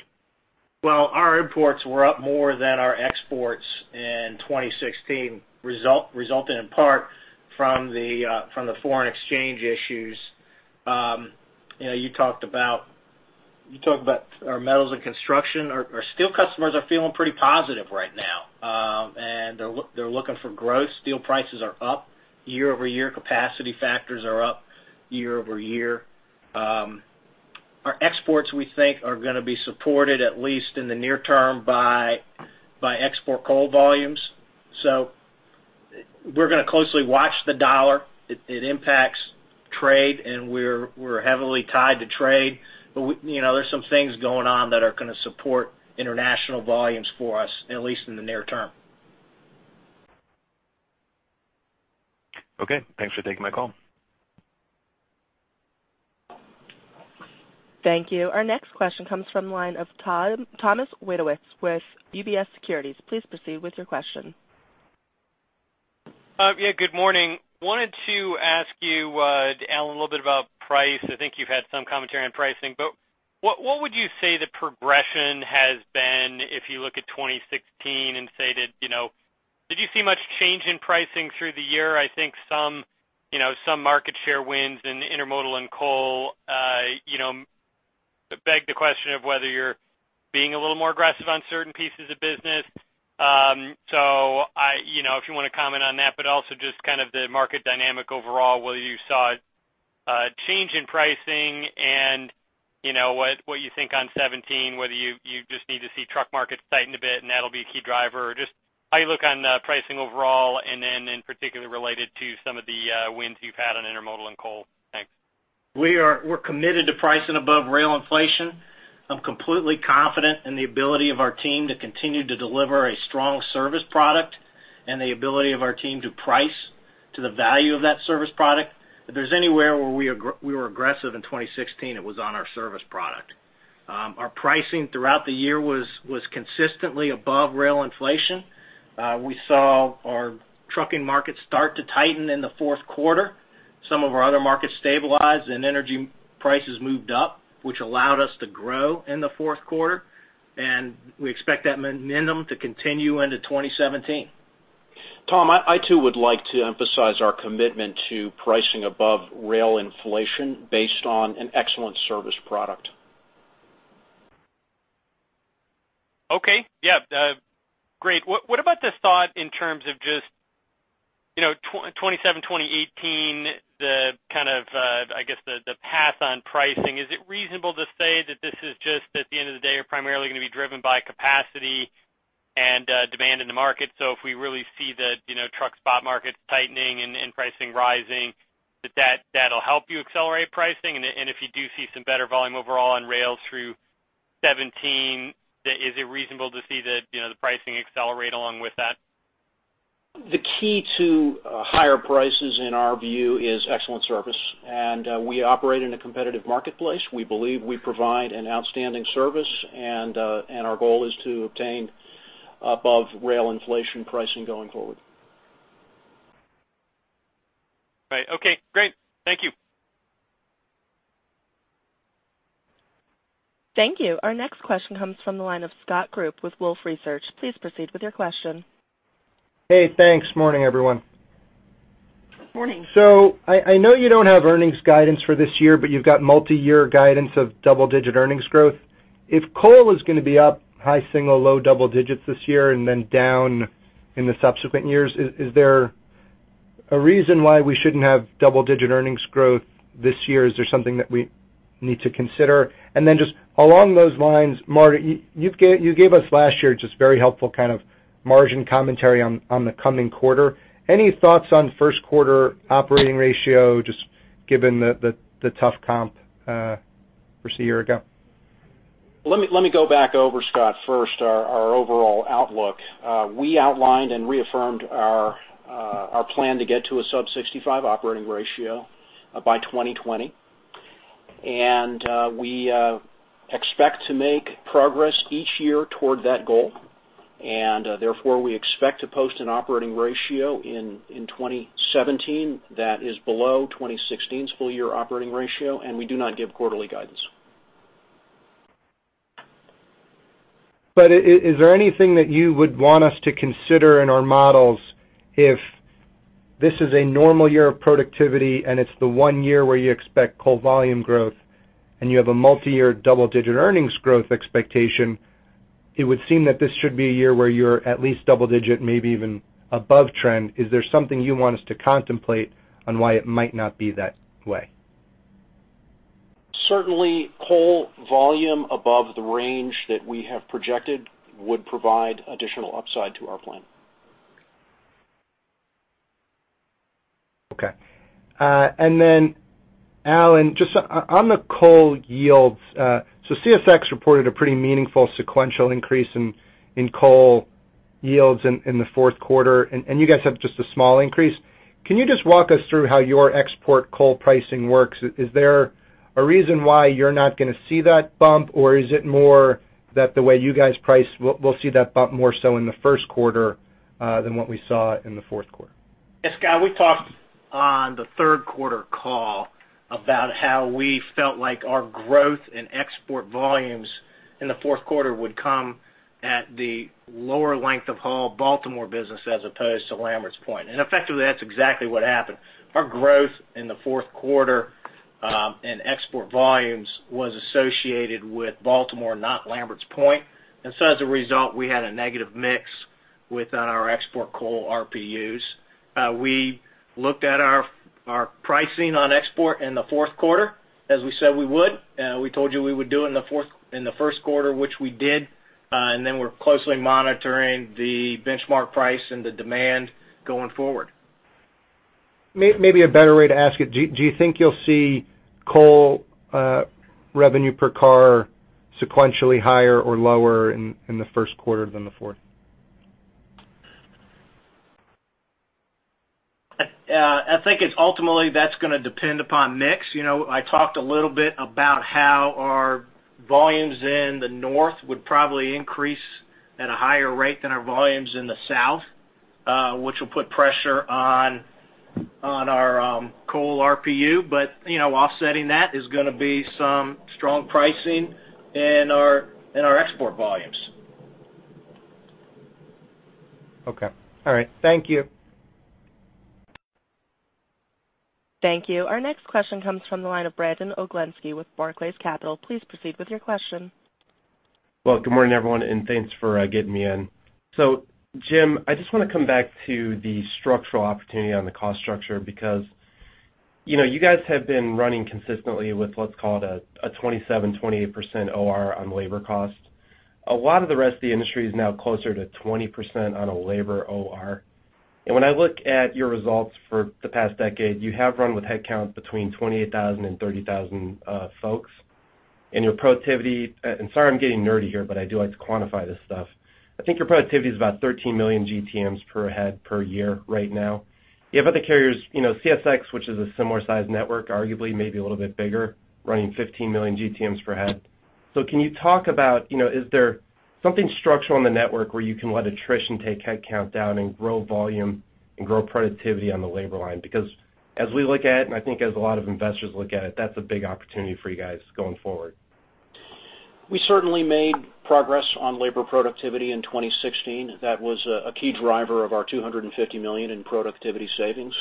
Our imports were up more than our exports in 2016, resulted in part from the foreign exchange issues. You talked about our Metals and Construction. Our steel customers are feeling pretty positive right now, and they're looking for growth. Steel prices are up year-over-year. Capacity factors are up year-over-year. Our exports, we think, are going to be supported at least in the near term by export coal volumes. We're going to closely watch the dollar. It impacts trade, and we're heavily tied to trade. There's some things going on that are going to support international volumes for us, at least in the near term. Okay. Thanks for taking my call. Thank you. Our next question comes from the line of Thomas Wadewitz with UBS Securities. Please proceed with your question. Yeah, good morning. Wanted to ask you, Alan, a little bit about price. I think you had some commentary on pricing. What would you say the progression has been if you look at 2016 and say that, did you see much change in pricing through the year? I think some market share wins in intermodal and coal beg the question of whether you're being a little more aggressive on certain pieces of business. If you want to comment on that, but also just kind of the market dynamic overall, whether you saw a change in pricing and what you think on 2017, whether you just need to see truck markets tighten a bit and that'll be a key driver or just how you look on pricing overall, and then in particular related to some of the wins you've had on intermodal and coal. Thanks. We're committed to pricing above rail inflation. I'm completely confident in the ability of our team to continue to deliver a strong service product and the ability of our team to price to the value of that service product. If there's anywhere where we were aggressive in 2016, it was on our service product. Our pricing throughout the year was consistently above rail inflation. We saw our trucking market start to tighten in the fourth quarter. Some of our other markets stabilized and energy prices moved up, which allowed us to grow in the fourth quarter. We expect that momentum to continue into 2017. Tom, I too would like to emphasize our commitment to pricing above rail inflation based on an excellent service product. Okay. Yeah. Great. What about this thought in terms of just 2017, 2018, the kind of, I guess the path on pricing, is it reasonable to say that this is just, at the end of the day, are primarily going to be driven by capacity and demand in the market? If we really see the truck spot markets tightening and pricing rising, that'll help you accelerate pricing. If you do see some better volume overall on rail through 2017, is it reasonable to see the pricing accelerate along with that? The key to higher prices in our view is excellent service. We operate in a competitive marketplace. We believe we provide an outstanding service and our goal is to obtain above rail inflation pricing going forward. Right. Okay, great. Thank you. Thank you. Our next question comes from the line of Scott Group with Wolfe Research. Please proceed with your question. Hey, thanks. Morning, everyone. Morning. I know you don't have earnings guidance for this year, but you've got multi-year guidance of double-digit earnings growth. If coal is going to be up high single, low double digits this year and then down in the subsequent years, is there a reason why we shouldn't have double-digit earnings growth this year? Is there something that we need to consider? Then just along those lines, Marta, you gave us last year just very helpful kind of margin commentary on the coming quarter. Any thoughts on first quarter operating ratio just given the tough comp versus a year ago? Let me go back over, Scott, first our overall outlook. We outlined and reaffirmed our plan to get to a sub 65 operating ratio by 2020. We expect to make progress each year toward that goal. Therefore, we expect to post an operating ratio in 2017 that is below 2016's full year operating ratio, and we do not give quarterly guidance. Is there anything that you would want us to consider in our models if this is a normal year of productivity and it's the one year where you expect coal volume growth and you have a multi-year double-digit earnings growth expectation, it would seem that this should be a year where you're at least double-digit, maybe even above trend. Is there something you want us to contemplate on why it might not be that way? Certainly coal volume above the range that we have projected would provide additional upside to our plan. Okay. Alan, just on the coal yields, CSX reported a pretty meaningful sequential increase in coal yields in the fourth quarter, and you guys have just a small increase. Can you just walk us through how your export coal pricing works? Is there a reason why you're not going to see that bump or is it more that the way you guys price, we'll see that bump more so in the first quarter than what we saw in the fourth quarter? Scott, we talked on the third quarter call about how we felt like our growth in export volumes in the fourth quarter would come at the lower length of haul Baltimore business as opposed to Lambert's Point, effectively that's exactly what happened. Our growth in the fourth quarter, and export volumes was associated with Baltimore, not Lambert's Point. As a result, we had a negative mix with our export coal RPUs. We looked at our pricing on export in the fourth quarter, as we said we would. We told you we would do it in the first quarter, which we did. We're closely monitoring the benchmark price and the demand going forward. Maybe a better way to ask it, do you think you'll see coal revenue per car sequentially higher or lower in the first quarter than the fourth? I think it's ultimately that's gonna depend upon mix. I talked a little bit about how our volumes in the North would probably increase at a higher rate than our volumes in the South Which will put pressure on our coal RPU, but offsetting that is going to be some strong pricing in our export volumes. Okay, all right. Thank you. Thank you. Our next question comes from the line of Brandon Oglenski with Barclays Capital. Please proceed with your question. Good morning, everyone, and thanks for getting me in. Jim, I just want to come back to the structural opportunity on the cost structure, because you guys have been running consistently with what's called a 27%, 28% OR on labor cost. A lot of the rest of the industry is now closer to 20% on a labor OR. When I look at your results for the past decade, you have run with headcounts between 28,000 and 30,000 folks. Your productivity, and sorry, I'm getting nerdy here, but I do like to quantify this stuff. I think your productivity is about 13 million GTMs per head per year right now. You have other carriers, CSX, which is a similar size network, arguably maybe a little bit bigger, running 15 million GTMs per head. Can you talk about, is there something structural in the network where you can let attrition take headcount down and grow volume and grow productivity on the labor line? Because as we look at it, and I think as a lot of investors look at it, that's a big opportunity for you guys going forward. We certainly made progress on labor productivity in 2016. That was a key driver of our $250 million in productivity savings.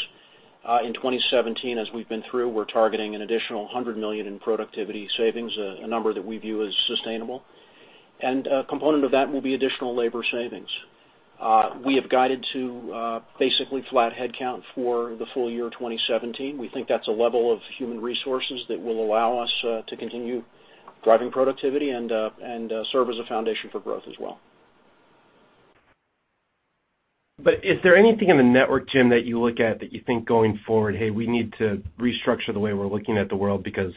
In 2017, as we've been through, we're targeting an additional $100 million in productivity savings, a number that we view as sustainable. A component of that will be additional labor savings. We have guided to basically flat headcount for the full year 2017. We think that's a level of human resources that will allow us to continue driving productivity and serve as a foundation for growth as well. Is there anything in the network, Jim, that you look at that you think going forward, hey, we need to restructure the way we're looking at the world because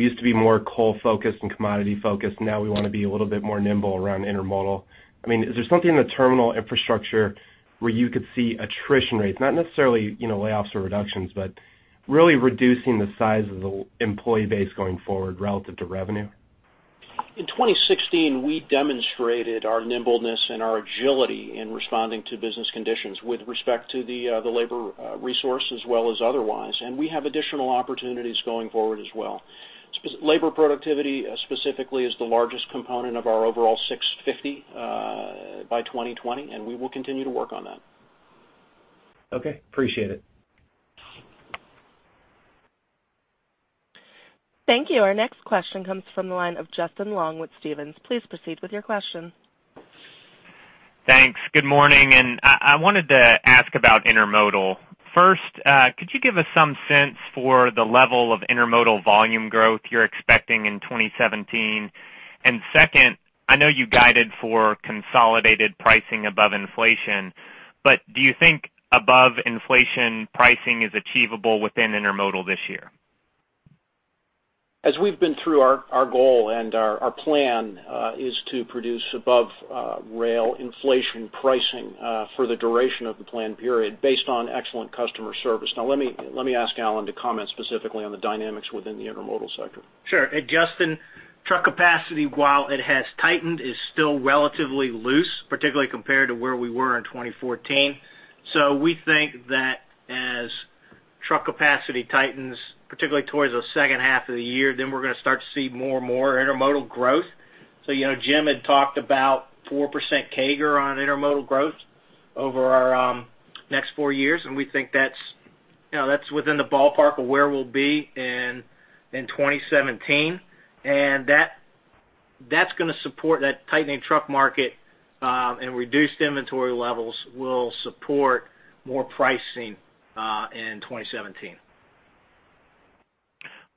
we used to be more coal focused and commodity focused, and now we want to be a little bit more nimble around intermodal. Is there something in the terminal infrastructure where you could see attrition rates, not necessarily layoffs or reductions, but really reducing the size of the employee base going forward relative to revenue? In 2016, we demonstrated our nimbleness and our agility in responding to business conditions with respect to the labor resource as well as otherwise. We have additional opportunities going forward as well. Labor productivity specifically is the largest component of our overall 650 by 2020. We will continue to work on that. Okay. Appreciate it. Thank you. Our next question comes from the line of Justin Long with Stephens. Please proceed with your question. Thanks. Good morning. I wanted to ask about intermodal. First, could you give us some sense for the level of intermodal volume growth you're expecting in 2017? Second, I know you guided for consolidated pricing above inflation, do you think above inflation pricing is achievable within intermodal this year? As we've been through, our goal and our plan is to produce above rail inflation pricing for the duration of the plan period based on excellent customer service. Let me ask Alan to comment specifically on the dynamics within the intermodal sector. Sure. Justin, truck capacity, while it has tightened, is still relatively loose, particularly compared to where we were in 2014. We think that as truck capacity tightens, particularly towards the second half of the year, we're going to start to see more and more intermodal growth. Jim had talked about 4% CAGR on intermodal growth over our next four years, and we think that's within the ballpark of where we'll be in 2017. That's going to support that tightening truck market, and reduced inventory levels will support more pricing in 2017.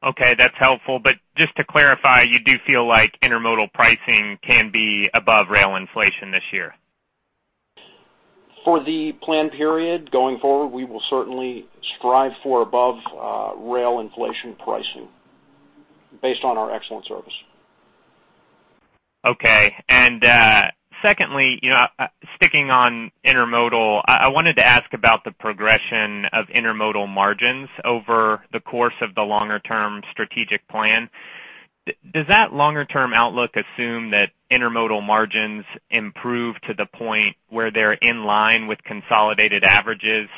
Okay. That's helpful. Just to clarify, you do feel like intermodal pricing can be above rail inflation this year? For the plan period going forward, we will certainly strive for above rail inflation pricing based on our excellent service. Secondly, sticking on intermodal, I wanted to ask about the progression of intermodal margins over the course of the longer term strategic plan. Does that longer term outlook assume that intermodal margins improve to the point where they're in line with consolidated averages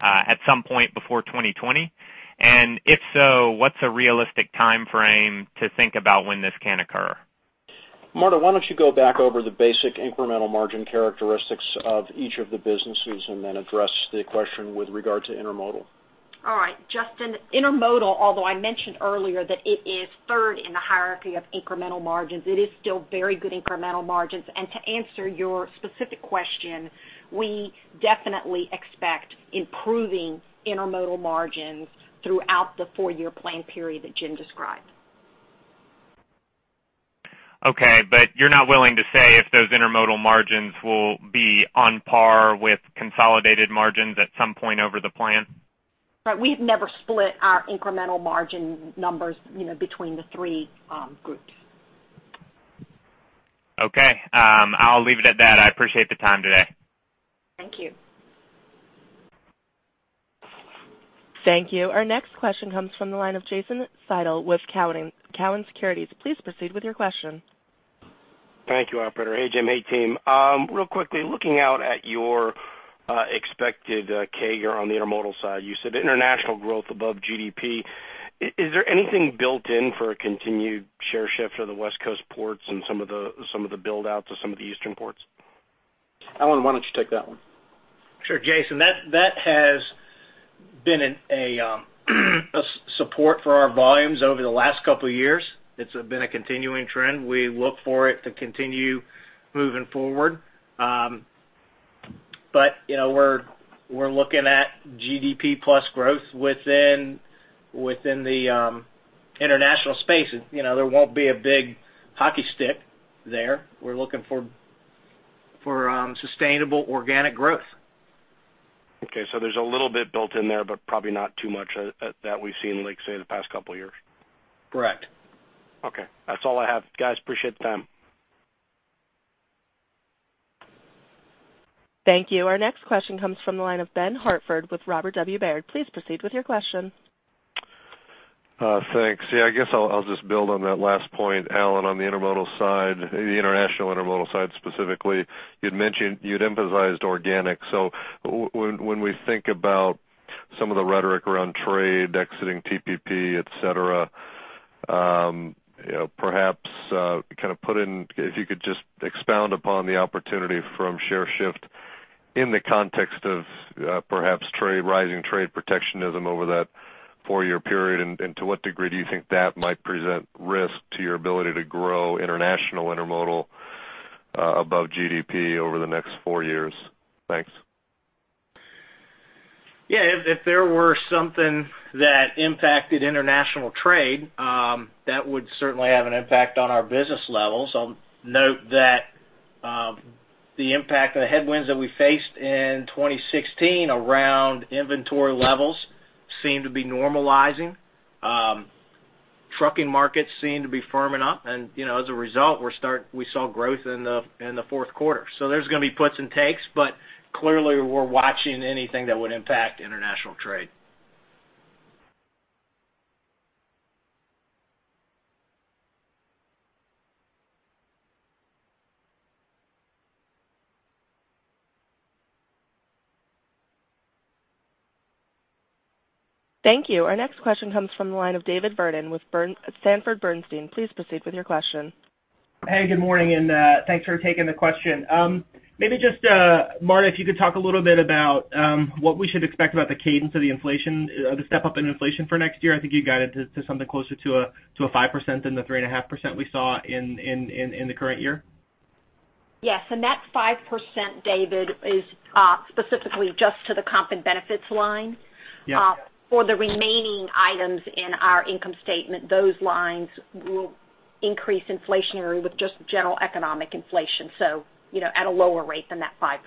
at some point before 2020? If so, what's a realistic timeframe to think about when this can occur? Marta, why don't you go back over the basic incremental margin characteristics of each of the businesses and then address the question with regard to intermodal? All right, Justin, intermodal, although I mentioned earlier that it is third in the hierarchy of incremental margins, it is still very good incremental margins. To answer your specific question, we definitely expect improving intermodal margins throughout the four-year plan period that Jim described. Okay, you're not willing to say if those intermodal margins will be on par with consolidated margins at some point over the plan? We've never split our incremental margin numbers between the three groups. Okay. I'll leave it at that. I appreciate the time today. Thank you. Thank you. Our next question comes from the line of Jason Seidl with Cowen Securities. Please proceed with your question. Thank you, operator. Hey, Jim. Hey, team. Real quickly, looking out at your expected CAGR on the intermodal side, you said international growth above GDP. Is there anything built in for a continued share shift of the West Coast ports and some of the buildouts of some of the eastern ports? Alan, why don't you take that one? Sure. Jason, that has been a support for our volumes over the last couple of years. It's been a continuing trend. We look for it to continue moving forward. We're looking at GDP plus growth within the international space. There won't be a big hockey stick there. We're looking for sustainable organic growth. There's a little bit built in there, probably not too much that we've seen, say, the past couple of years. Correct. Okay. That's all I have. Guys, appreciate the time. Thank you. Our next question comes from the line of Ben Hartford with Robert W. Baird. Please proceed with your question. Thanks. Yeah, I guess I'll just build on that last point, Alan, on the intermodal side, the international intermodal side, specifically. You'd emphasized organic. When we think about some of the rhetoric around trade, exiting TPP, et cetera, perhaps if you could just expound upon the opportunity from share shift in the context of perhaps rising trade protectionism over that four-year period, and to what degree do you think that might present risk to your ability to grow international intermodal above GDP over the next four years? Thanks. Yeah. If there were something that impacted international trade, that would certainly have an impact on our business levels. I'll note that the impact, the headwinds that we faced in 2016 around inventory levels seem to be normalizing. Trucking markets seem to be firming up, and as a result, we saw growth in the fourth quarter. There's going to be puts and takes, but clearly, we're watching anything that would impact international trade. Thank you. Our next question comes from the line of David Vernon with Sanford Bernstein. Please proceed with your question. Hey, good morning, and thanks for taking the question. Maybe just, Marta, if you could talk a little bit about what we should expect about the cadence of the inflation, the step up in inflation for next year. I think you guided to something closer to a 5% than the 3.5% we saw in the current year. Yes. That 5%, David, is specifically just to the comp and benefits line. Yeah. For the remaining items in our income statement, those lines will increase inflationary with just general economic inflation, so at a lower rate than that 5%.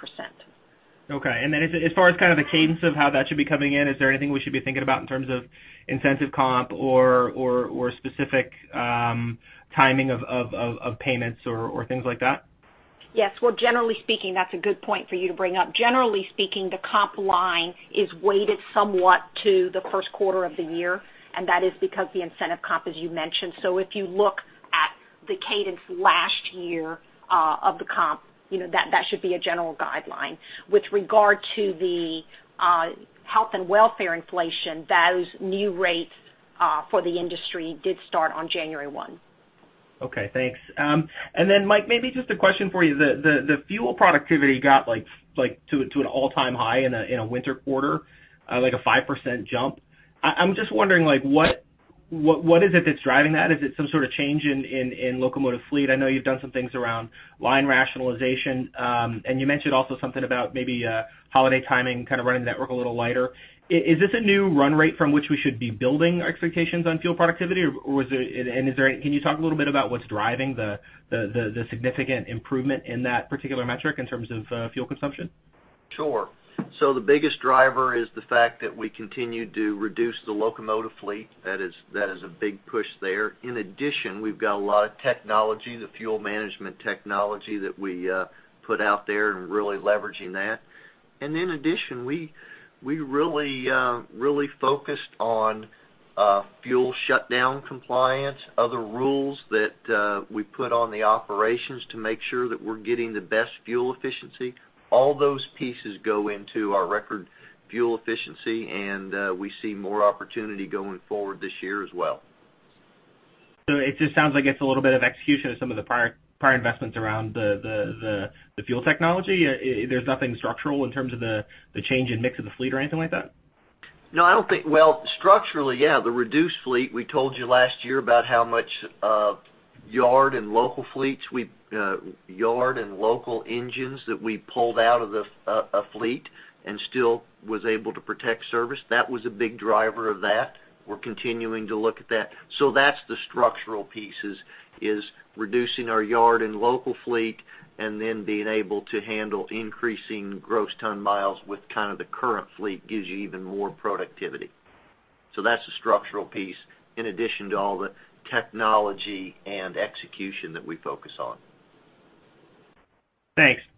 Okay. As far as the cadence of how that should be coming in, is there anything we should be thinking about in terms of incentive comp or specific timing of payments or things like that? Yes. Well, generally speaking, that's a good point for you to bring up. Generally speaking, the comp line is weighted somewhat to the first quarter of the year, that is because the incentive comp, as you mentioned. If you look at the cadence last year of the comp, that should be a general guideline. With regard to the health and welfare inflation, those new rates for the industry did start on January 1. Okay, thanks. Mike, maybe just a question for you. The fuel productivity got to an all-time high in a winter quarter, like a 5% jump. I'm just wondering, what is it that's driving that? Is it some sort of change in locomotive fleet? I know you've done some things around line rationalization. You mentioned also something about maybe holiday timing, kind of running the network a little lighter. Is this a new run rate from which we should be building our expectations on fuel productivity, and can you talk a little bit about what's driving the significant improvement in that particular metric in terms of fuel consumption? Sure. The biggest driver is the fact that we continue to reduce the locomotive fleet. That is a big push there. In addition, we've got a lot of technology, the fuel management technology that we put out there and really leveraging that. In addition, we really focused on fuel shutdown compliance, other rules that we put on the operations to make sure that we're getting the best fuel efficiency. All those pieces go into our record fuel efficiency, and we see more opportunity going forward this year as well. It just sounds like it's a little bit of execution of some of the prior investments around the fuel technology. There's nothing structural in terms of the change in mix of the fleet or anything like that? No, Well, structurally, yeah. The reduced fleet, we told you last year about how much yard and local engines that we pulled out of a fleet and still was able to protect service. That was a big driver of that. We're continuing to look at that. That's the structural pieces, is reducing our yard and local fleet, and then being able to handle increasing Gross Ton Miles with kind of the current fleet gives you even more productivity. That's the structural piece in addition to all the technology and execution that we focus on. Thanks. Cool.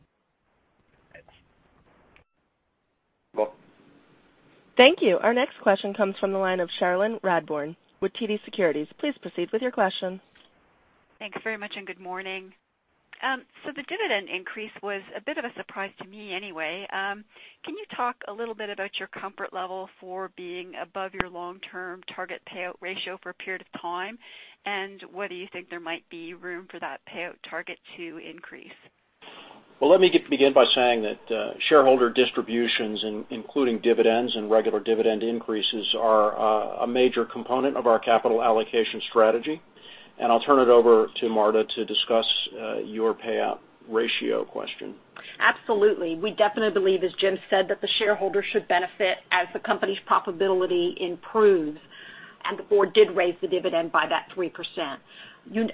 Thank you. Our next question comes from the line of Cherilyn Radbourne with TD Securities. Please proceed with your question. Thanks very much, and good morning. The dividend increase was a bit of a surprise to me, anyway. Can you talk a little bit about your comfort level for being above your long-term target payout ratio for a period of time? Whether you think there might be room for that payout target to increase? Well, let me begin by saying that shareholder distributions, including dividends and regular dividend increases, are a major component of our capital allocation strategy. I'll turn it over to Marta to discuss your payout ratio question. Absolutely. We definitely believe, as Jim said, that the shareholder should benefit as the company's profitability improves, the board did raise the dividend by that 3%.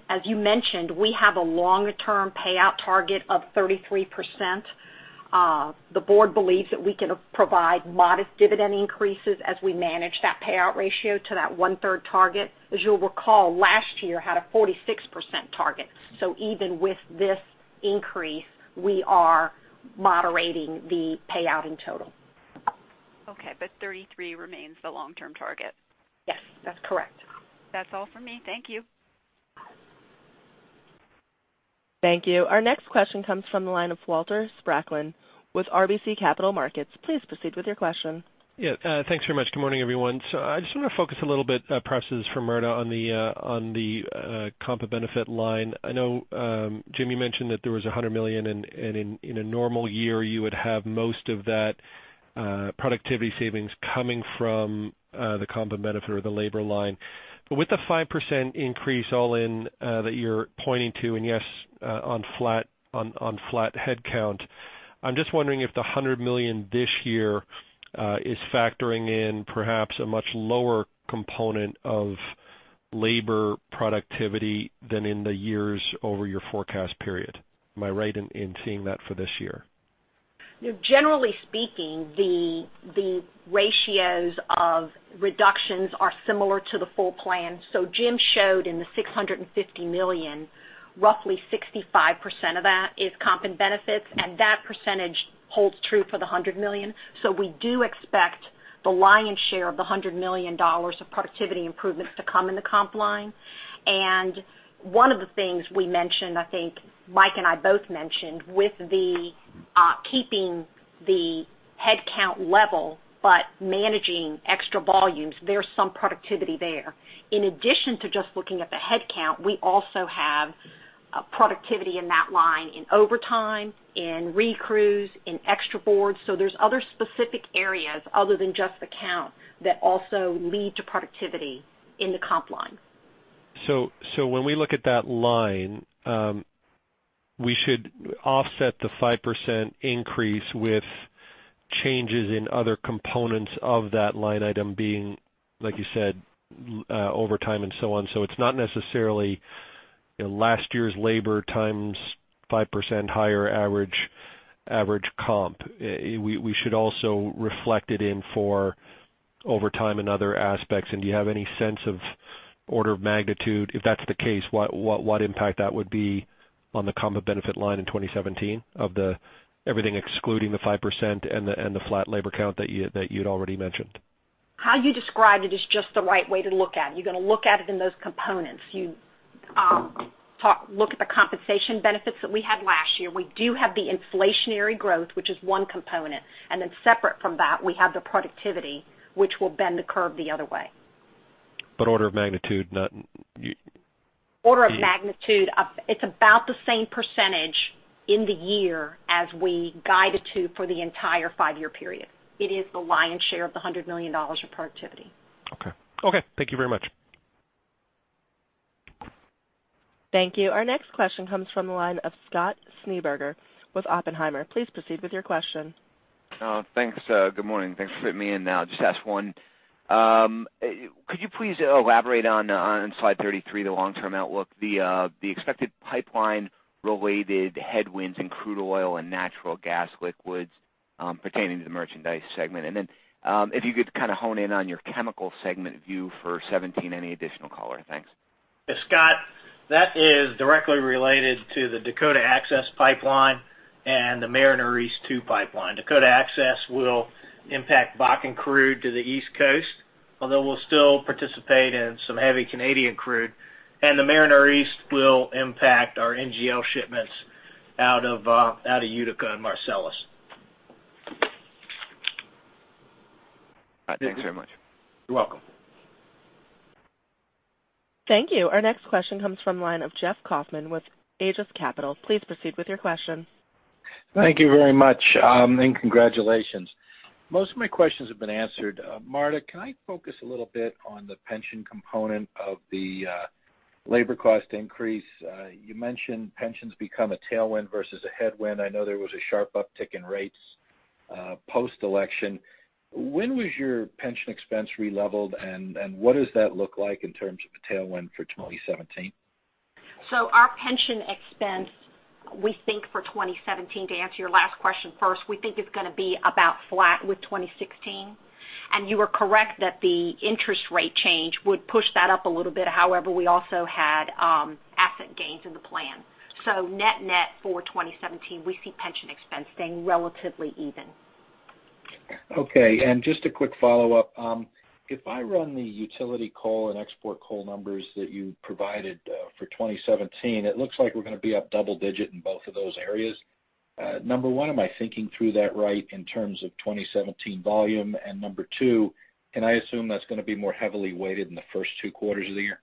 As you mentioned, we have a longer-term payout target of 33%. The board believes that we can provide modest dividend increases as we manage that payout ratio to that one-third target. As you'll recall, last year had a 46% target. Even with this increase, we are moderating the payout in total. Okay, 33 remains the long-term target? Yes, that's correct. That's all for me. Thank you. Thank you. Our next question comes from the line of Walter Spracklin with RBC Capital Markets. Please proceed with your question. Thanks very much. Good morning, everyone. I just want to focus a little bit, perhaps this is for Marta, on the comp and benefit line. I know, Jim, you mentioned that there was $100 million. In a normal year, you would have most of that productivity savings coming from the comp and benefit or the labor line. With the 5% increase all-in that you're pointing to, and yes, on flat headcount, I'm just wondering if the $100 million this year is factoring in perhaps a much lower component of labor productivity than in the years over your forecast period. Am I right in seeing that for this year? Generally speaking, the ratios of reductions are similar to the full plan. Jim showed in the $650 million, roughly 65% of that is comp and benefits. That percentage holds true for the $100 million. We do expect the lion's share of the $100 million of productivity improvements to come in the comp line. One of the things we mentioned, I think Mike and I both mentioned, with the keeping the headcount level managing extra volumes, there's some productivity there. In addition to just looking at the headcount, we also have productivity in that line in overtime, in recrews, in extra boards. There's other specific areas other than just the count that also lead to productivity in the comp line. When we look at that line, we should offset the 5% increase with changes in other components of that line item being, like you said, overtime and so on. It's not necessarily last year's labor times 5% higher average comp. We should also reflect it in for overtime and other aspects. Do you have any sense of order of magnitude, if that's the case, what impact that would be on the comp and benefit line in 2017 of everything excluding the 5% and the flat labor count that you'd already mentioned? How you described it is just the right way to look at it. You're going to look at it in those components. You look at the compensation benefits that we had last year. We do have the inflationary growth, which is one component. Separate from that, we have the productivity, which will bend the curve the other way. Order of magnitude, not Order of magnitude, it's about the same percentage in the year as we guided to for the entire five-year period. It is the lion's share of the $100 million of productivity. Okay. Thank you very much. Thank you. Our next question comes from the line of Scott Schneeberger with Oppenheimer. Please proceed with your question. Thanks. Good morning. Thanks for fitting me in now. Just ask one. Could you please elaborate on slide 33, the long-term outlook, the expected pipeline-related headwinds in crude oil and natural gas liquids pertaining to the Merchandise Segment? If you could kind of hone in on your Chemical Segment view for 2017, any additional color? Thanks. Scott, that is directly related to the Dakota Access Pipeline and the Mariner East 2 pipeline. Dakota Access will impact Bakken crude to the East Coast, although we'll still participate in some heavy Canadian crude. The Mariner East will impact our NGL shipments out of Utica and Marcellus. All right. Thank you so much. You're welcome. Thank you. Our next question comes from the line of Jeff Kauffman with Aegis Capital. Please proceed with your question. Thank you very much, and congratulations. Most of my questions have been answered. Marta, can I focus a little bit on the pension component of the labor cost increase? You mentioned pensions become a tailwind versus a headwind. I know there was a sharp uptick in rates post-election. When was your pension expense re-leveled, and what does that look like in terms of a tailwind for 2017? Our pension expense, we think for 2017, to answer your last question first, we think it's going to be about flat with 2016. You are correct that the interest rate change would push that up a little bit. However, we also had asset gains in the plan. Net-net for 2017, we see pension expense staying relatively even. Okay. Just a quick follow-up. If I run the utility coal and export coal numbers that you provided for 2017, it looks like we're going to be up double digit in both of those areas. Number one, am I thinking through that right in terms of 2017 volume? And number two, can I assume that's going to be more heavily weighted in the first two quarters of the year?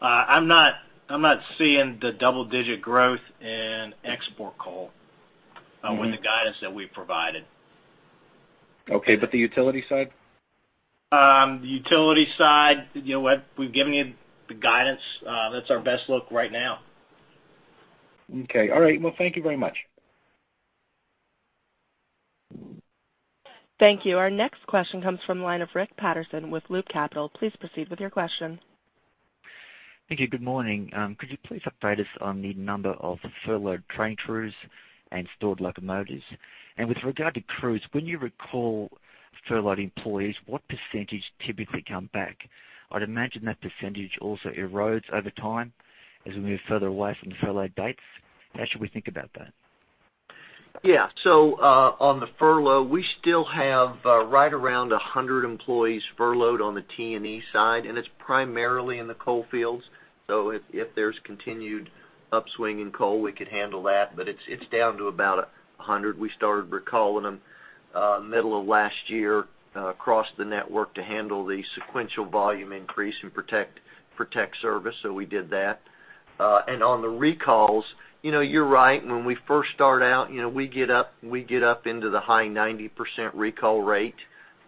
I'm not seeing the double-digit growth in export coal with the guidance that we've provided. Okay, the utility side? The utility side, we've given you the guidance. That's our best look right now. Okay. All right. Well, thank you very much. Thank you. Our next question comes from the line of Rick Paterson with Loop Capital. Please proceed with your question. Thank you. Good morning. Could you please update us on the number of furloughed train crews and stored locomotives? With regard to crews, when you recall furloughed employees, what percentage typically come back? I'd imagine that percentage also erodes over time as we move further away from the furlough dates. How should we think about that? Yeah. On the furlough, we still have right around 100 employees furloughed on the T&E side, and it's primarily in the coal fields. If there's continued upswing in coal, we could handle that, but it's down to about 100. We started recalling them middle of last year across the network to handle the sequential volume increase and protect service. We did that. On the recalls, you're right. When we first start out, we get up into the high 90% recall rate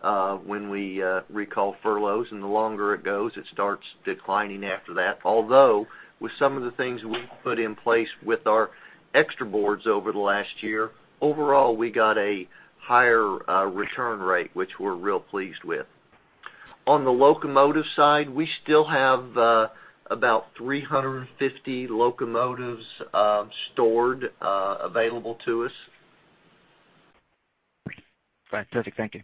when we recall furloughs. The longer it goes, it starts declining after that. Although, with some of the things we've put in place with our extra boards over the last year, overall, we got a higher return rate, which we're real pleased with. On the locomotive side, we still have about 350 locomotives stored available to us. Fantastic. Thank you.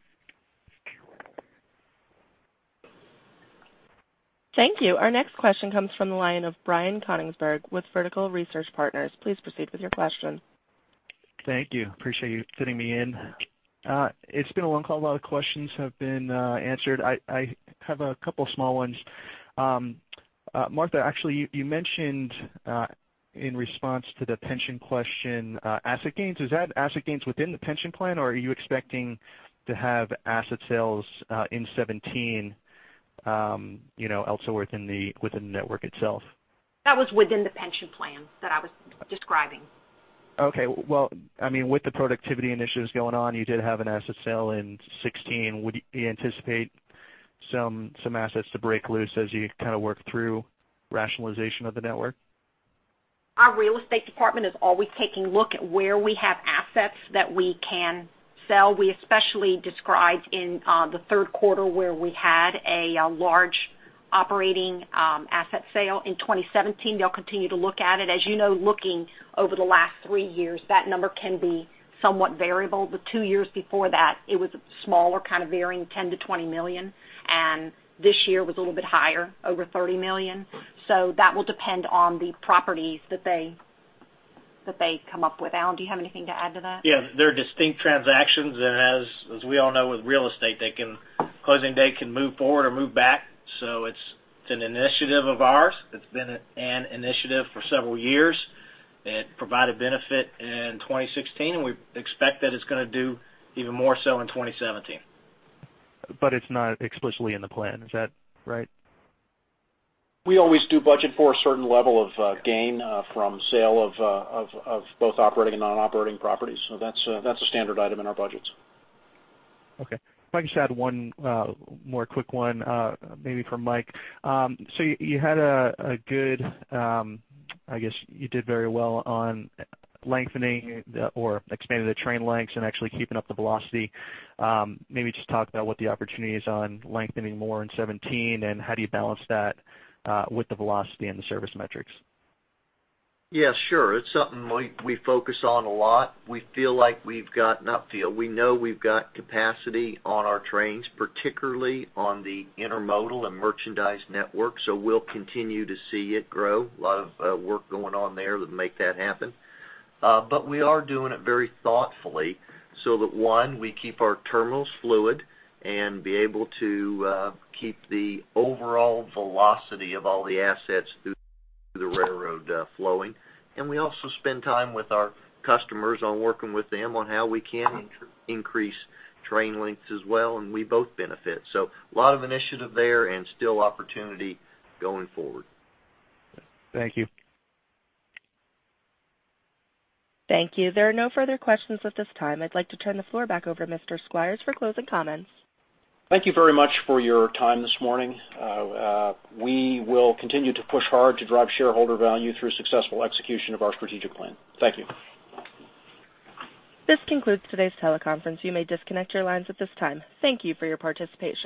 Thank you. Our next question comes from the line of Brian Konigsberg with Vertical Research Partners. Please proceed with your question. Thank you. Appreciate you fitting me in. It's been a long call. A lot of questions have been answered. I have a couple small ones. Marta, actually, you mentioned in response to the pension question, asset gains. Is that asset gains within the pension plan, or are you expecting to have asset sales in 2017 elsewhere within the network itself? That was within the pension plan that I was describing. Okay. Well, with the productivity initiatives going on, you did have an asset sale in 2016. Would you anticipate some assets to break loose as you kind of work through rationalization of the network? Our real estate department is always taking a look at where we have assets that we can sell. We especially described in the third quarter where we had a large operating asset sale. In 2017, they'll continue to look at it. As you know, looking over the last three years, that number can be somewhat variable. The two years before that, it was smaller, kind of varying $10 million-$20 million, and this year was a little bit higher, over $30 million. That will depend on the properties that they come up with. Alan, do you have anything to add to that? Yeah. They're distinct transactions. As we all know with real estate, closing day can move forward or move back. It's an initiative of ours. It's been an initiative for several years. It provided benefit in 2016, and we expect that it's going to do even more so in 2017. It's not explicitly in the plan, is that right? We always do budget for a certain level of gain from sale of both operating and non-operating properties. That's a standard item in our budgets. Okay. If I could just add one more quick one, maybe for Mike. You did very well on lengthening or expanding the train lengths and actually keeping up the velocity. Maybe just talk about what the opportunity is on lengthening more in 2017, and how do you balance that with the velocity and the service metrics? Yeah, sure. It's something we focus on a lot. We know we've got capacity on our trains, particularly on the intermodal and merchandise network. We'll continue to see it grow. A lot of work going on there that make that happen. We are doing it very thoughtfully so that, one, we keep our terminals fluid and be able to keep the overall velocity of all the assets through the railroad flowing. We also spend time with our customers on working with them on how we can increase train lengths as well, and we both benefit. A lot of initiative there and still opportunity going forward. Thank you. Thank you. There are no further questions at this time. I'd like to turn the floor back over to Mr. Squires for closing comments. Thank you very much for your time this morning. We will continue to push hard to drive shareholder value through successful execution of our strategic plan. Thank you. This concludes today's teleconference. You may disconnect your lines at this time. Thank you for your participation.